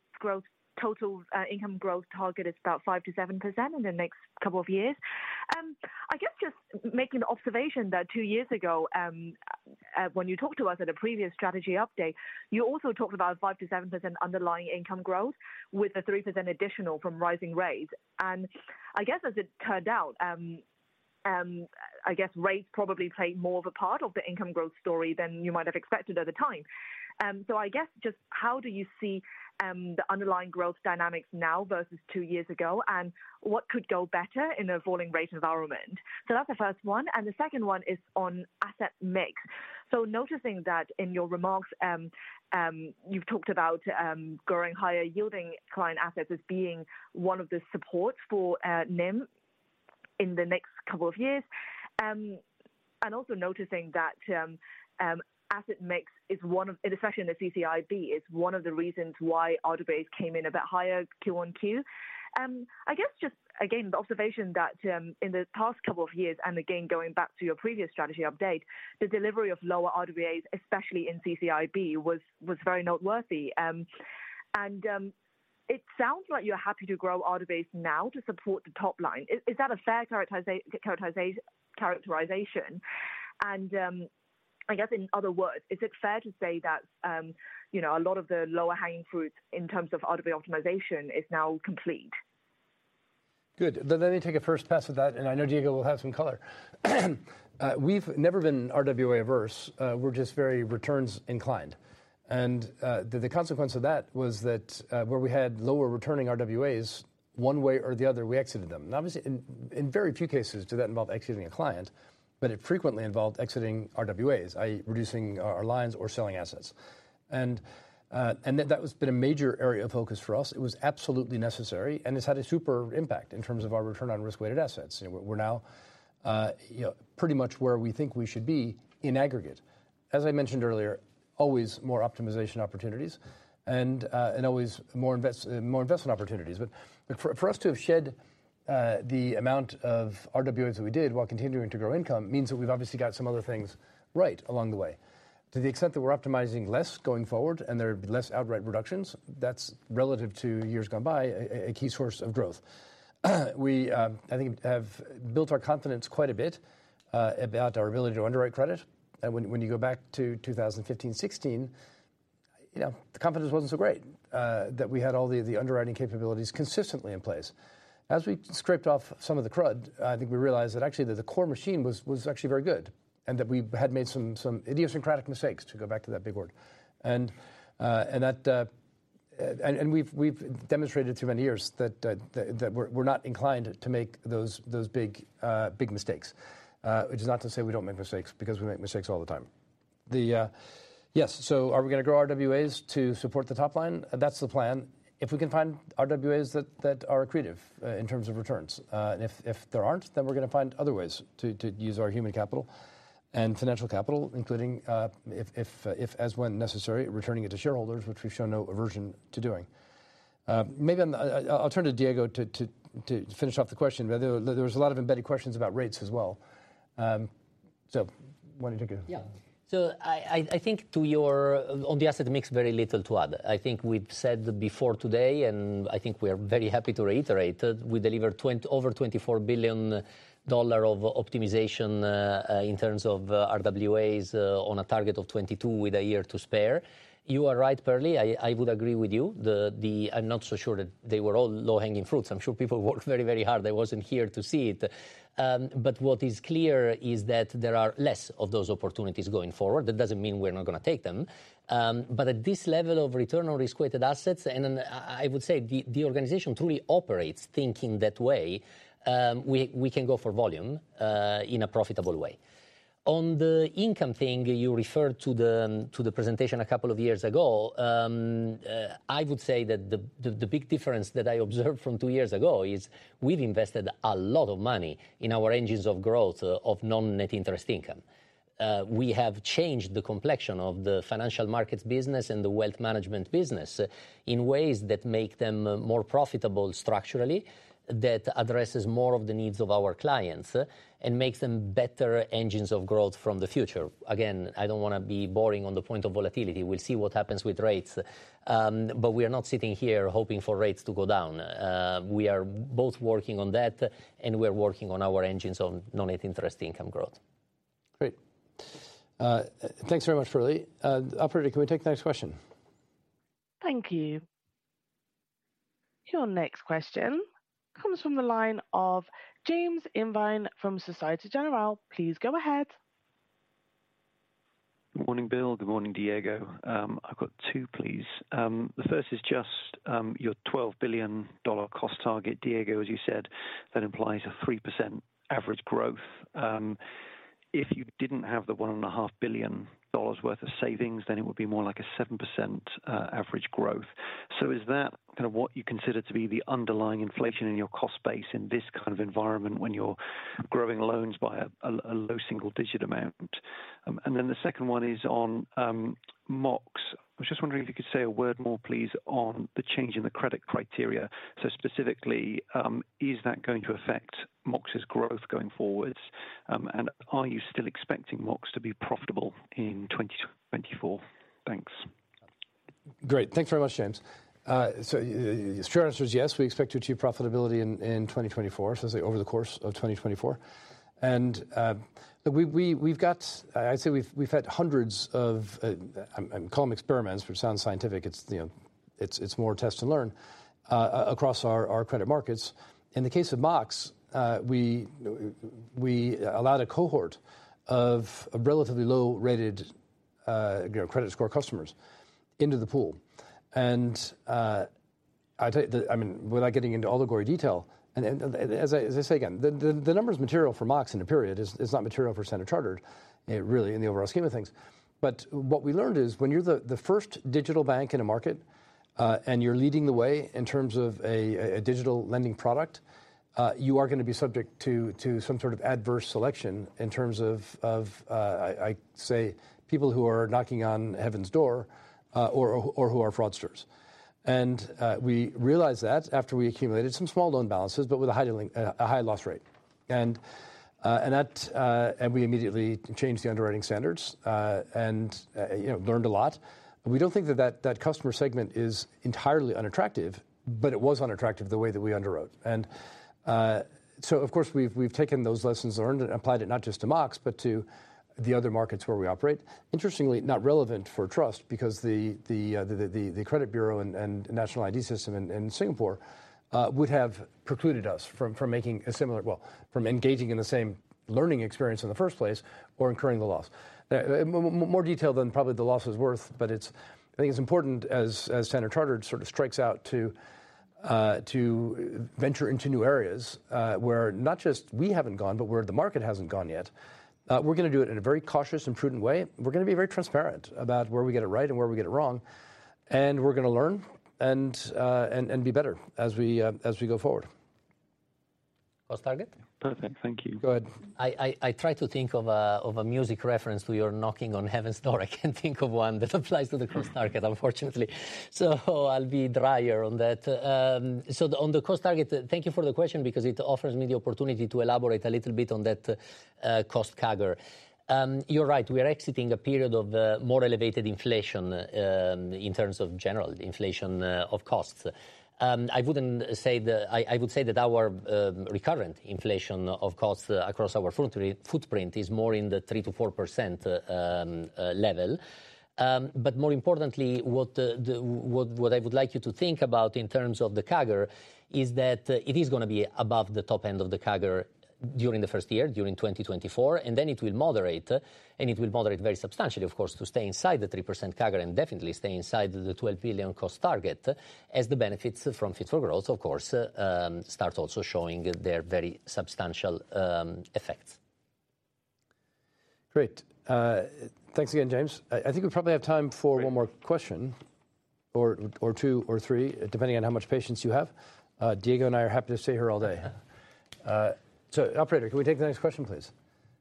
total income growth target is about 5%-7% in the next couple of years. I guess just making the observation that two years ago, when you talked to us at a previous strategy update, you also talked about a 5%-7% underlying income growth with a 3% additional from rising rates. And I guess, as it turned out, I guess rates probably played more of a part of the income growth story than you might have expected at the time. So I guess just how do you see the underlying growth dynamics now versus two years ago? And what could go better in a falling rate environment? So that's the first one. And the second one is on asset mix. Noticing that in your remarks, you've talked about growing higher yielding client assets as being one of the supports for NIM in the next couple of years. Also noticing that asset mix is one of, especially in the CCIB, is one of the reasons why RWAs came in a bit higher Q-on-Q. I guess just, again, the observation that in the past couple of years and, again, going back to your previous strategy update, the delivery of lower RWAs, especially in CCIB, was very noteworthy. It sounds like you're happy to grow RWAs now to support the top line. Is that a fair characterization? I guess, in other words, is it fair to say that a lot of the lower-hanging fruits in terms of RWA optimization is now complete? Good. Let me take a first pass at that. And I know, Diego, we'll have some color. We've never been RWA-averse. We're just very returns inclined. And the consequence of that was that where we had lower-returning RWAs, one way or the other, we exited them. And obviously, in very few cases, did that involve exiting a client. But it frequently involved exiting RWAs, i.e., reducing our lines or selling assets. And that has been a major area of focus for us. It was absolutely necessary. And it's had a super impact in terms of our return on risk-weighted assets. We're now pretty much where we think we should be in aggregate. As I mentioned earlier, always more optimization opportunities and always more investment opportunities. But for us to have shed the amount of RWAs that we did while continuing to grow income means that we've obviously got some other things right along the way. To the extent that we're optimizing less going forward and there would be less outright reductions, that's, relative to years gone by, a key source of growth. I think we have built our confidence quite a bit about our ability to underwrite credit. And when you go back to 2015, 2016, the confidence wasn't so great that we had all the underwriting capabilities consistently in place. As we scraped off some of the crud, I think we realized that, actually, the core machine was actually very good and that we had made some idiosyncratic mistakes to go back to that big word. And we've demonstrated through many years that we're not inclined to make those big mistakes, which is not to say we don't make mistakes because we make mistakes all the time. Yes. So are we going to grow RWAs to support the top line? That's the plan. If we can find RWAs that are accretive in terms of returns. And if there aren't, then we're going to find other ways to use our human capital and financial capital, including if, as when necessary, returning it to shareholders, which we've shown no aversion to doing. Maybe I'll turn to Diego to finish off the question. There were a lot of embedded questions about rates as well. So why don't you take it? Yeah. So I think to your on the asset mix, very little to add. I think we've said before today and I think we are very happy to reiterate that we delivered over $24 billion of optimization in terms of RWAs on a target of $22 billion with a year to spare. You are right, Perlie. I would agree with you. I'm not so sure that they were all low-hanging fruits. I'm sure people worked very, very hard. I wasn't here to see it. But what is clear is that there are less of those opportunities going forward. That doesn't mean we're not going to take them. But at this level of return on risk-weighted assets and I would say the organization truly operates thinking that way, we can go for volume in a profitable way. On the income thing, you referred to the presentation a couple of years ago. I would say that the big difference that I observed from two years ago is we've invested a lot of money in our engines of growth of non-net interest income. We have changed the complexion of the financial markets business and the wealth management business in ways that make them more profitable structurally, that addresses more of the needs of our clients, and makes them better engines of growth from the future. Again, I don't want to be boring on the point of volatility. We'll see what happens with rates. But we are not sitting here hoping for rates to go down. We are both working on that. And we are working on our engines of non-net interest income growth. Great. Thanks very much, Perlie. Operator, can we take the next question? Thank you. Your next question comes from the line of James Invine from Société Générale. Please go ahead. Good morning, Bill. Good morning, Diego. I've got two, please. The first is just your $12 billion cost target, Diego, as you said. That implies a 3% average growth. If you didn't have the $1.5 billion worth of savings, then it would be more like a 7% average growth. So is that kind of what you consider to be the underlying inflation in your cost base in this kind of environment when you're growing loans by a low single-digit amount? And then the second one is on MOX. I was just wondering if you could say a word more, please, on the change in the credit criteria. So specifically, is that going to affect MOX's growth going forward? And are you still expecting MOX to be profitable in 2024? Thanks. Great. Thanks very much, James. So your answer is yes. We expect to achieve profitability in 2024, so to say, over the course of 2024. And look, we've got I'd say we've had hundreds of I call them experiments, which sounds scientific. It's more test and learn across our credit markets. In the case of Mox, we allowed a cohort of relatively low-rated credit score customers into the pool. And I mean, without getting into all the gory detail and as I say again, the number is material for Mox in a period. It's not material for Standard Chartered, really, in the overall scheme of things. What we learned is when you're the first digital bank in a market and you're leading the way in terms of a digital lending product, you are going to be subject to some sort of adverse selection in terms of, I'd say, people who are knocking on heaven's door or who are fraudsters. We realized that after we accumulated some small loan balances, but with a high loss rate. We immediately changed the underwriting standards and learned a lot. We don't think that that customer segment is entirely unattractive. But it was unattractive the way that we underwrote. And so, of course, we've taken those lessons learned and applied it not just to Mox, but to the other markets where we operate, interestingly, not relevant for Trust because the Credit Bureau and National ID System in Singapore would have precluded us from making a similar well, from engaging in the same learning experience in the first place or incurring the loss. More detail than probably the loss was worth. But I think it's important, as Standard Chartered sort of strikes out, to venture into new areas where not just we haven't gone, but where the market hasn't gone yet. We're going to do it in a very cautious and prudent way. We're going to be very transparent about where we get it right and where we get it wrong. And we're going to learn and be better as we go forward. Cost target? Perfect. Thank you. Go ahead. I try to think of a music reference to your knocking on heaven's door. I can't think of one that applies to the cost target, unfortunately. So I'll be drier on that. So on the cost target, thank you for the question because it offers me the opportunity to elaborate a little bit on that cost CAGR. You're right. We are exiting a period of more elevated inflation in terms of general inflation of costs. I wouldn't say that. I would say that our recurring inflation of costs across our footprint is more in the 3%-4% level. But more importantly, what I would like you to think about in terms of the CAGR is that it is going to be above the top end of the CAGR during the first year, during 2024. And then it will moderate. It will moderate very substantially, of course, to stay inside the 3% CAGR and definitely stay inside the $12 billion cost target as the benefits from Fit for Growth, of course, start also showing their very substantial effects. Great. Thanks again, James. I think we probably have time for one more question or two or three, depending on how much patience you have. Diego and I are happy to stay here all day. So Operator, can we take the next question, please?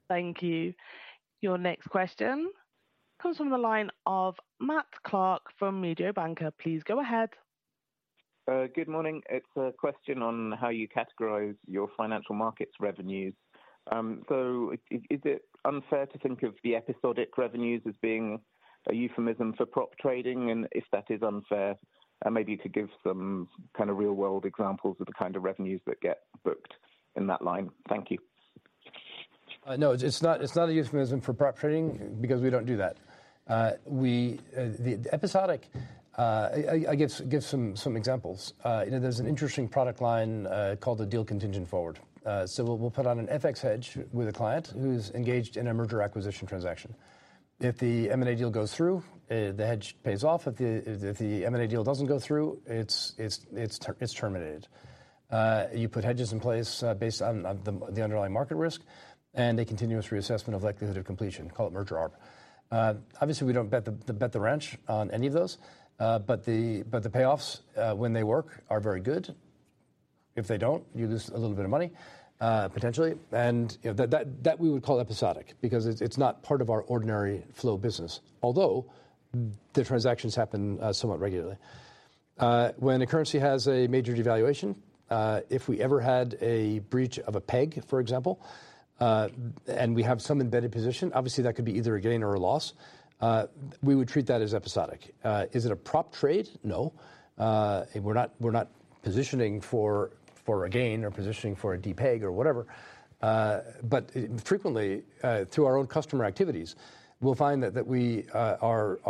Thank you. Your next question comes from the line of Matt Clark from Mediobanca. Please go ahead. Good morning. It's a question on how you categorize your financial markets revenues. Is it unfair to think of the episodic revenues as being a euphemism for prop trading? If that is unfair, maybe you could give some kind of real-world examples of the kind of revenues that get booked in that line. Thank you. No, it's not a euphemism for prop trading because we don't do that. The episodic, I'll give some examples. There's an interesting product line called the Deal Contingent Forward. So we'll put on an FX hedge with a client who's engaged in a merger acquisition transaction. If the M&A deal goes through, the hedge pays off. If the M&A deal doesn't go through, it's terminated. You put hedges in place based on the underlying market risk and a continuous reassessment of likelihood of completion. Call it merger arb. Obviously, we don't bet the ranch on any of those. But the payoffs, when they work, are very good. If they don't, you lose a little bit of money, potentially. And that we would call episodic because it's not part of our ordinary flow business, although the transactions happen somewhat regularly. When a currency has a major devaluation, if we ever had a breach of a peg, for example, and we have some embedded position, obviously, that could be either a gain or a loss. We would treat that as episodic. Is it a prop trade? No. We're not positioning for a gain or positioning for a deep peg or whatever. But frequently, through our own customer activities, we'll find that we are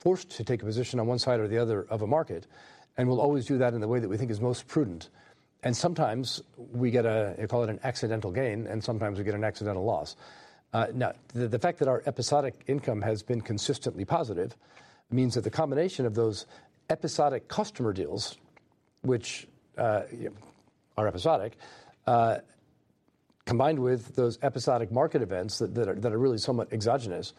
forced to take a position on one side or the other of a market. And we'll always do that in the way that we think is most prudent. And sometimes, we get a I call it an accidental gain. And sometimes, we get an accidental loss. Now, the fact that our episodic income has been consistently positive means that the combination of those episodic customer deals, which are episodic, combined with those episodic market events that are really somewhat exogenous,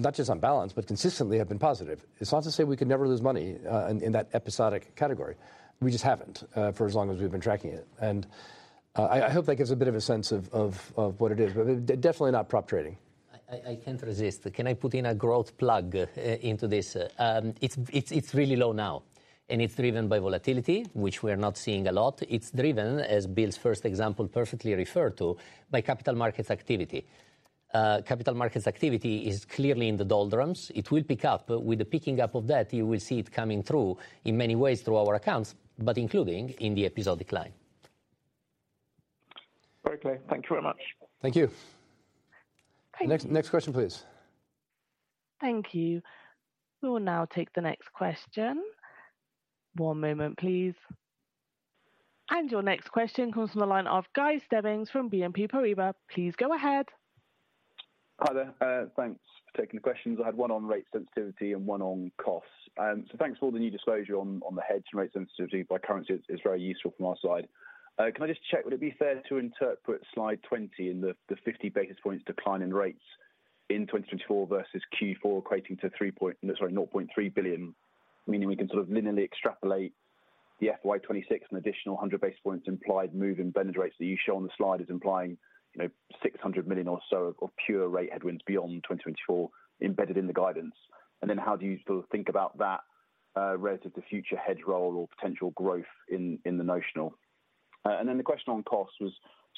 not just on balance, but consistently have been positive. It's not to say we could never lose money in that episodic category. We just haven't for as long as we've been tracking it. I hope that gives a bit of a sense of what it is. But definitely not prop trading. I can't resist. Can I put in a growth plug into this? It's really low now. And it's driven by volatility, which we are not seeing a lot. It's driven, as Bill's first example perfectly referred to, by capital markets activity. Capital markets activity is clearly in the doldrums. It will pick up. With the picking up of that, you will see it coming through in many ways through our accounts, but including in the episodic line. Very clear. Thank you very much. Thank you. Next question, please. Thank you. We will now take the next question. One moment, please. And your next question comes from the line of Guy Stebbings from BNP Paribas. Please go ahead. Hi there. Thanks for taking the questions. I had one on rate sensitivity and one on costs. So thanks for all the new disclosure on the hedge and rate sensitivity by currency. It's very useful from our side. Can I just check? Would it be fair to interpret slide 20 and the 50 basis points decline in rates in 2024 versus Q4 equating to $0.3 billion, meaning we can sort of linearly extrapolate the FY26 and additional 100 basis points implied move in benefit rates that you show on the slide as implying $600 million or so of pure rate headwinds beyond 2024 embedded in the guidance? And then how do you sort of think about that relative to future hedge role or potential growth in the notional? And then the question on costs was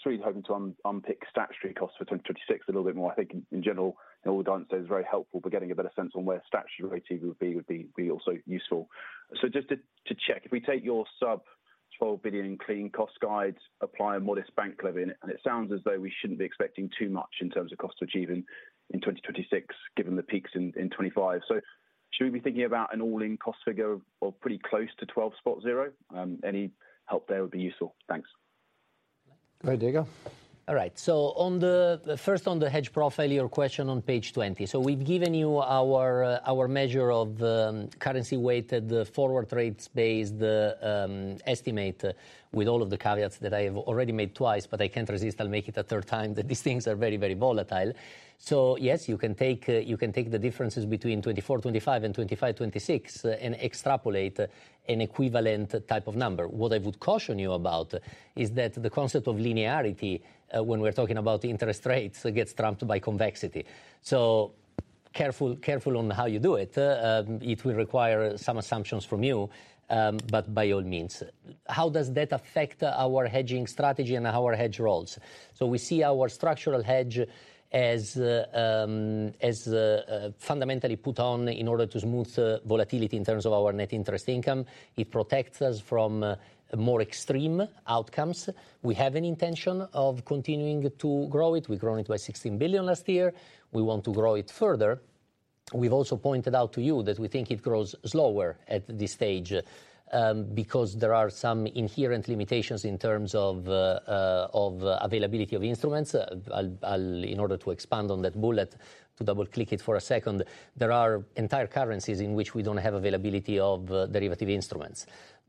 I was really hoping to unpick statutory costs for 2026 a little bit more. I think, in general, all the guidance there is very helpful. But getting a better sense on where statutory rates even would be would be also useful. So just to check, if we take your sub-$12 billion clean costs guide, apply a modest bank levy, and it sounds as though we shouldn't be expecting too much in terms of cost achieving in 2026, given the peaks in 2025. So should we be thinking about an all-in cost figure or pretty close to $12.0? Any help there would be useful. Thanks. Go ahead, Diego. All right. So first on the hedge profile, your question on page 20. So we've given you our measure of currency-weighted forward rates-based estimate with all of the caveats that I have already made twice. But I can't resist. I'll make it a third time that these things are very, very volatile. So yes, you can take the differences between 2024, 2025, and 2025, 2026 and extrapolate an equivalent type of number. What I would caution you about is that the concept of linearity, when we're talking about interest rates, gets trumped by convexity. So careful on how you do it. It will require some assumptions from you. But by all means, how does that affect our hedging strategy and our hedge roles? So we see our structural hedge as fundamentally put on in order to smooth volatility in terms of our net interest income. It protects us from more extreme outcomes. We have an intention of continuing to grow it. We've grown it by $16 billion last year. We want to grow it further. We've also pointed out to you that we think it grows slower at this stage because there are some inherent limitations in terms of availability of instruments. In order to expand on that bullet, to double-click it for a second, there are entire currencies in which we don't have availability of derivative instruments.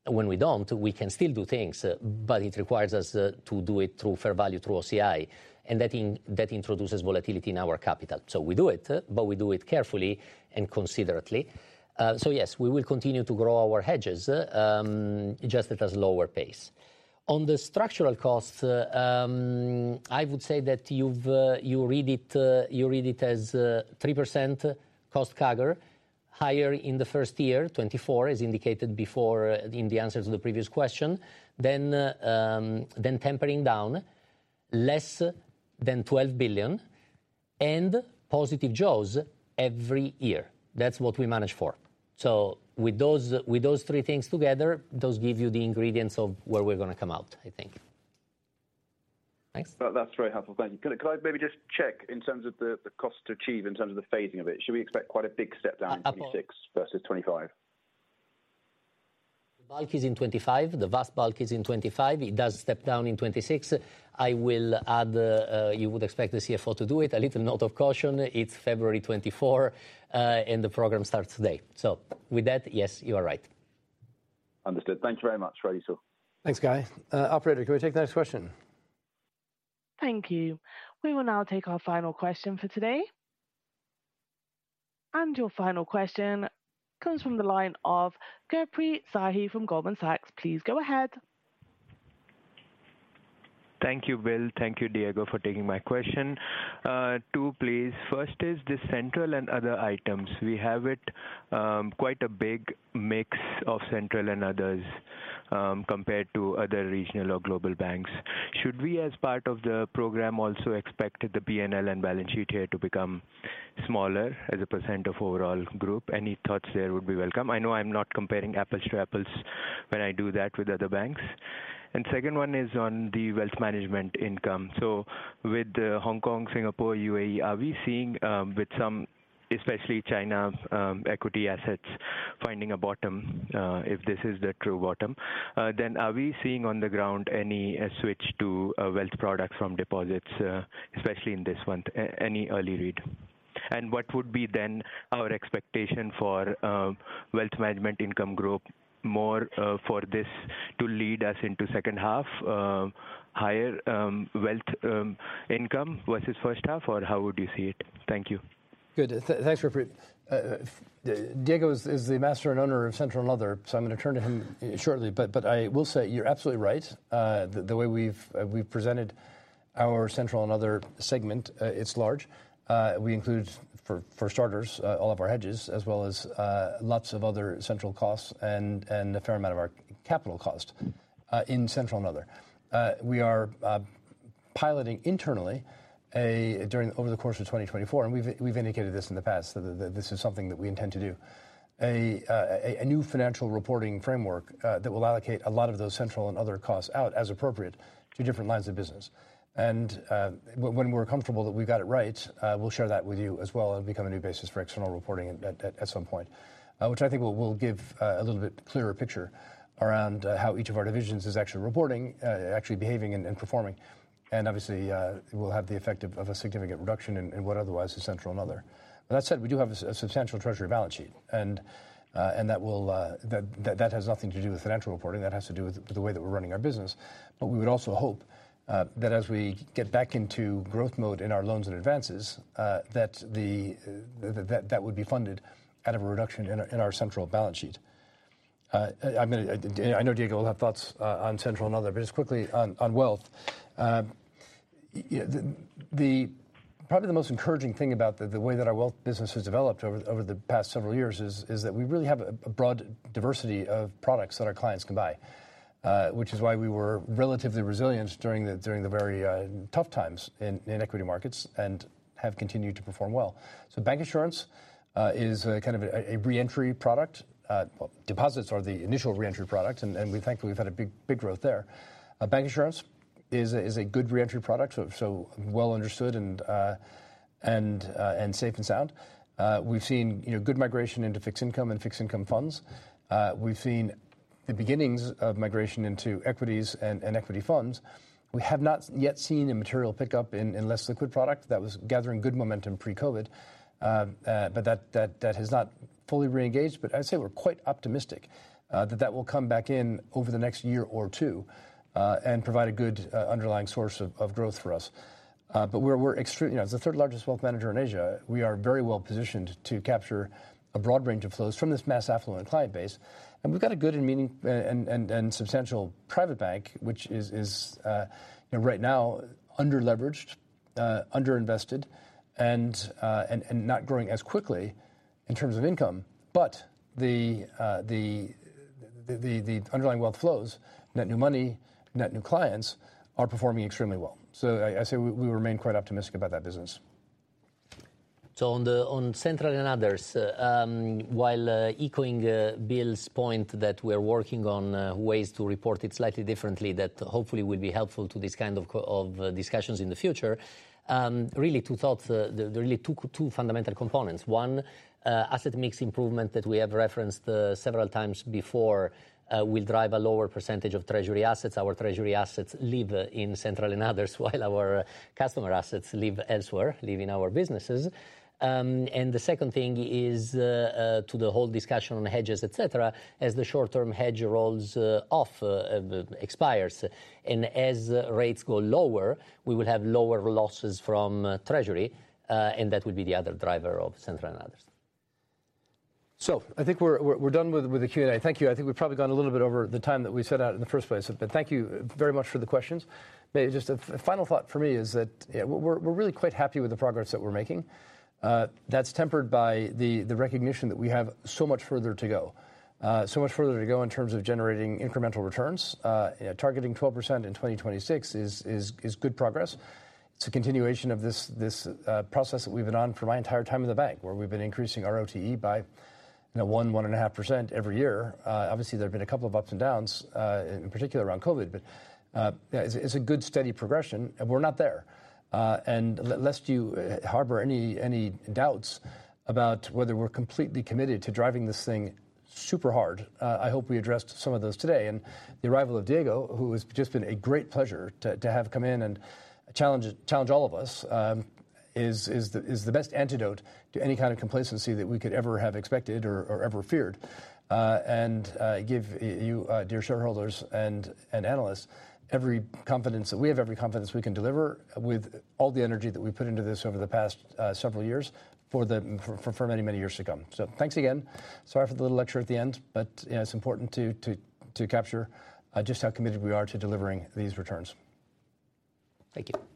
When we don't, we can still do things. But it requires us to do it through fair value, through OCI. And that introduces volatility in our capital. So we do it. But we do it carefully and considerately. So yes, we will continue to grow our hedges just at a slower pace. On the structural costs, I would say that you read it as 3% cost CAGR, higher in the first year, 2024, as indicated before in the answer to the previous question, then tempering down, less than $12 billion, and positive jaws every year. That's what we manage for. So with those three things together, those give you the ingredients of where we're going to come out, I think. Thanks. That's very helpful. Thank you. Can I maybe just check in terms of the cost to achieve in terms of the phasing of it? Should we expect quite a big step down in 2026 versus 2025? The bulk is in 2025. The vast bulk is in 2025. It does step down in 2026. I will add you would expect the CFO to do it. A little note of caution. It's February 2024. The program starts today. So with that, yes, you are right. Understood. Thank you very much, Right so. Thanks, Guy. Operator, can we take the next question? Thank you. We will now take our final question for today. Your final question comes from the line of Gurpreet Sahi from Goldman Sachs. Please go ahead. Thank you, Bill. Thank you, Diego, for taking my question. Two, please. First is the central and other items. We have quite a big mix of central and others compared to other regional or global banks. Should we, as part of the program, also expect the P&L and balance sheet here to become smaller as a percent of overall group? Any thoughts there would be welcome. I know I'm not comparing apples to apples when I do that with other banks. And second one is on the wealth management income. So with Hong Kong, Singapore, UAE, are we seeing, with some especially China equity assets, finding a bottom? If this is the true bottom, then are we seeing on the ground any switch to wealth products from deposits, especially in this month? Any early read? What would be then our expectation for wealth management income growth more for this to lead us into second half, higher wealth income versus first half? Or how would you see it? Thank you. Good. Thanks, Gurpreet. Diego is the master and owner of Central and Other. So I'm going to turn to him shortly. But I will say you're absolutely right. The way we've presented our Central and Other segment, it's large. We include, for starters, all of our hedges as well as lots of other central costs and a fair amount of our capital cost in Central and Other. We are piloting internally over the course of 2024. And we've indicated this in the past that this is something that we intend to do, a new financial reporting framework that will allocate a lot of those Central and Other costs out as appropriate to different lines of business. And when we're comfortable that we've got it right, we'll share that with you as well. It'll become a new basis for external reporting at some point, which I think will give a little bit clearer picture around how each of our divisions is actually reporting, actually behaving, and performing. And obviously, it will have the effect of a significant reduction in what otherwise is Central and Other. That said, we do have a substantial treasury balance sheet. And that has nothing to do with financial reporting. That has to do with the way that we're running our business. But we would also hope that as we get back into growth mode in our loans and advances, that would be funded out of a reduction in our central balance sheet. I know Diego will have thoughts on Central and Other. But just quickly on wealth, probably the most encouraging thing about the way that our wealth business has developed over the past several years is that we really have a broad diversity of products that our clients can buy, which is why we were relatively resilient during the very tough times in equity markets and have continued to perform well. So bank insurance is kind of a reentry product. Well, deposits are the initial reentry product. And we thankfully have had a big growth there. Bank insurance is a good reentry product, so well understood and safe and sound. We've seen good migration into fixed income and fixed income funds. We've seen the beginnings of migration into equities and equity funds. We have not yet seen a material pickup in less liquid product. That was gathering good momentum pre-COVID. But that has not fully reengaged. But I'd say we're quite optimistic that that will come back in over the next year or two and provide a good underlying source of growth for us. But we're extremely as the third largest wealth manager in Asia, we are very well positioned to capture a broad range of flows from this mass affluent client base. And we've got a good and meaningful and substantial private bank, which is right now under-leveraged, under-invested, and not growing as quickly in terms of income. But the underlying wealth flows, net new money, net new clients, are performing extremely well. So I'd say we remain quite optimistic about that business. So on Central and Others, while echoing Bill's point that we're working on ways to report it slightly differently, that hopefully will be helpful to this kind of discussions in the future, really two thoughts, really two fundamental components. One, asset mix improvement that we have referenced several times before will drive a lower percentage of treasury assets. Our treasury assets live in Central and Others while our customer assets live elsewhere, live in our businesses. And the second thing is to the whole discussion on hedges, et cetera, as the short-term hedge rolls off, expires, and as rates go lower, we will have lower losses from treasury. And that will be the other driver of Central and Others. So I think we're done with the Q&A. Thank you. I think we've probably gone a little bit over the time that we set out in the first place. But thank you very much for the questions. Just a final thought for me is that we're really quite happy with the progress that we're making. That's tempered by the recognition that we have so much further to go, so much further to go in terms of generating incremental returns. Targeting 12% in 2026 is good progress. It's a continuation of this process that we've been on for my entire time in the bank, where we've been increasing ROTE by 1%, 1.5% every year. Obviously, there have been a couple of ups and downs, in particular around COVID. But it's a good steady progression. And we're not there. And lest you harbor any doubts about whether we're completely committed to driving this thing super hard, I hope we addressed some of those today. And the arrival of Diego, who has just been a great pleasure to have come in and challenge all of us, is the best antidote to any kind of complacency that we could ever have expected or ever feared. And give you, dear shareholders and analysts, every confidence that we have, every confidence we can deliver with all the energy that we've put into this over the past several years for many, many years to come. So thanks again. Sorry for the little lecture at the end. But it's important to capture just how committed we are to delivering these returns. Thank you.